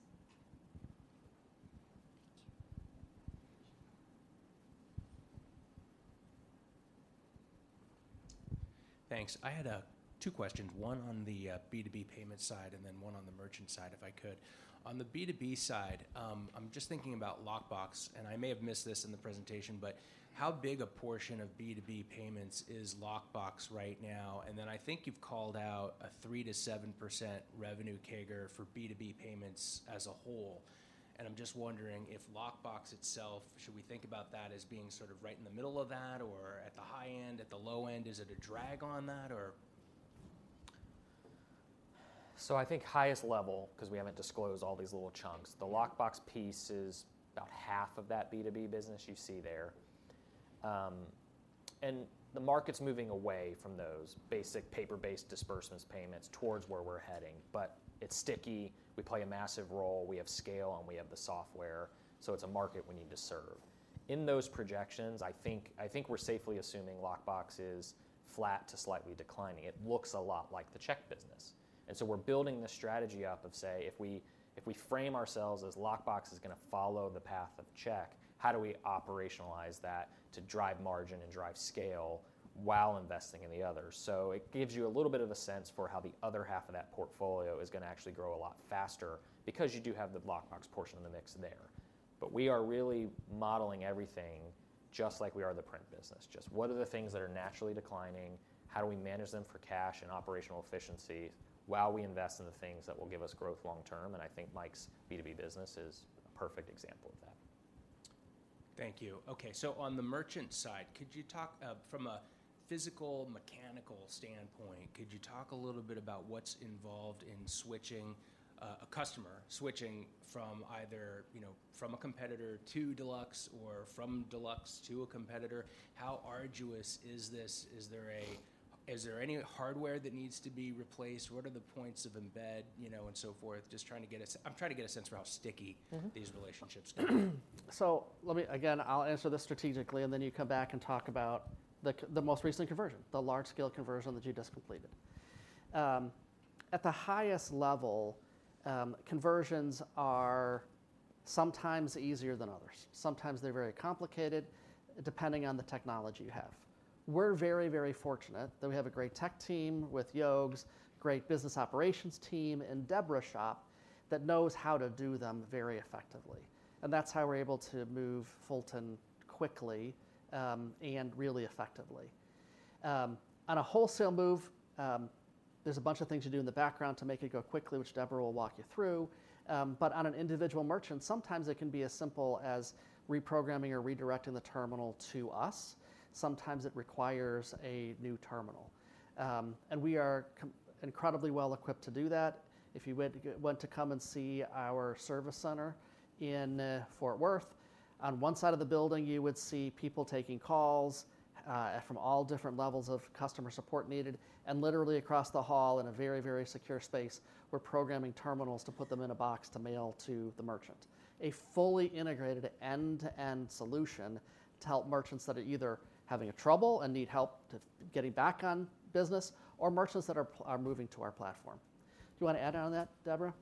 Thanks. I had two questions, one on the B2B payment side and then one on the merchant side, if I could. On the B2B side, I'm just thinking about lockbox, and I may have missed this in the presentation, but how big a portion of B2B payments is lockbox right now? And then I think you've called out a 3%-7% revenue CAGR for B2B payments as a whole, and I'm just wondering if lockbox itself, should we think about that as being sort of right in the middle of that or at the high end, at the low end? Is it a drag on that, or...? So, I think highest level, 'cause we haven't disclosed all these little chunks, the Lockbox piece is about half of that B2B business you see there. And the market's moving away from those basic paper-based disbursements payments towards where we're heading, but it's sticky. We play a massive role. We have scale, and we have the software, so it's a market we need to serve. In those projections, I think, I think we're safely assuming Lockbox is flat to slightly declining. It looks a lot like the check business. And so we're building this strategy up of, say, if we, if we frame ourselves as Lockbox is gonna follow the path of check, how do we operationalize that to drive margin and drive scale while investing in the others? So it gives you a little bit of a sense for how the other half of that portfolio is gonna actually grow a lot faster because you do have the lockbox portion of the mix there. But we are really modeling everything just like we are the print business. Just what are the things that are naturally declining? How do we manage them for cash and operational efficiency while we invest in the things that will give us growth long term? And I think Mike's B2B business is a perfect example of that. Thank you. Okay, so on the merchant side, could you talk from a physical, mechanical standpoint, could you talk a little bit about what's involved in switching a customer switching from either, you know, from a competitor to Deluxe or from Deluxe to a competitor? How arduous is this? Is there any hardware that needs to be replaced? What are the points of embed, you know, and so forth? Just trying-I'm trying to get a sense for how sticky- Mm-hmm. these relationships are. So let me, again, I'll answer this strategically, and then you come back and talk about the most recent conversion, the large-scale conversion that you just completed. At the highest level, conversions are sometimes easier than others. Sometimes they're very complicated, depending on the technology you have. We're very, very fortunate that we have a great tech team with Yogs, great business operations team in Debra's shop that knows how to do them very effectively, and that's how we're able to move Fulton quickly, and really effectively. On a wholesale move, there's a bunch of things you do in the background to make it go quickly, which Debra will walk you through. But on an individual merchant, sometimes it can be as simple as reprogramming or redirecting the terminal to us. Sometimes it requires a new terminal. And we are incredibly well equipped to do that. If you went to come and see our service center in Fort Worth, on one side of the building, you would see people taking calls from all different levels of customer support needed, and literally across the hall, in a very, very secure space, we're programming terminals to put them in a box to mail to the merchant. A fully integrated end-to-end solution to help merchants that are either having a trouble and need help to getting back on business, or merchants that are moving to our platform. Do you wanna add on that, Debra?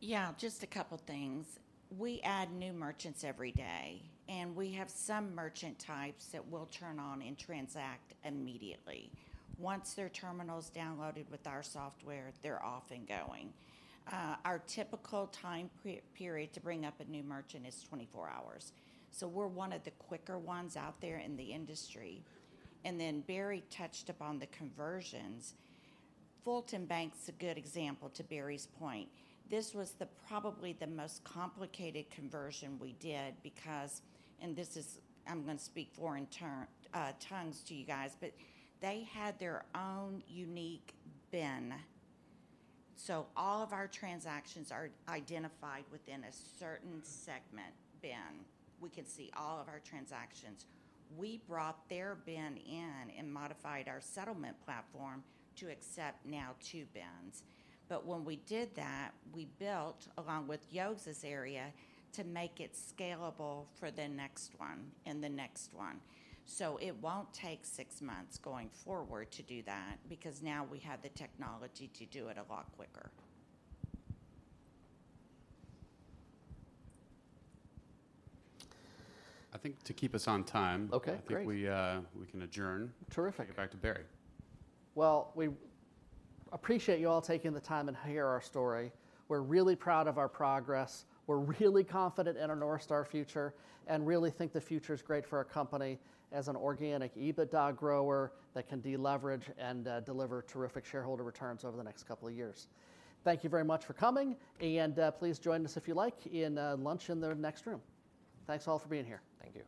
Yeah, just a couple things. We add new merchants every day, and we have some merchant types that will turn on and transact immediately. Once their terminal's downloaded with our software, they're off and going. Our typical time period to bring up a new merchant is 24 hours, so we're one of the quicker ones out there in the industry. And then Barry touched upon the conversions. Fulton Bank's a good example, to Barry's point. This was the probably the most complicated conversion we did because... And this is, I'm gonna speak foreign tongues to you guys, but they had their own unique BIN. So all of our transactions are identified within a certain segment BIN. We can see all of our transactions. We brought their BIN in and modified our settlement platform to accept now two BINs. But when we did that, we built, along with Yogs' area, to make it scalable for the next one and the next one. So it won't take six months going forward to do that, because now we have the technology to do it a lot quicker. I think to keep us on time- Okay, great. I think we can adjourn. Terrific. and get back to Barry. Well, we appreciate you all taking the time to hear our story. We're really proud of our progress. We're really confident in our North Star future and really think the future's great for our company as an organic EBITDA grower that can de-leverage and deliver terrific shareholder returns over the next couple of years. Thank you very much for coming, and please join us if you like in lunch in the next room. Thanks, all, for being here. Thank you.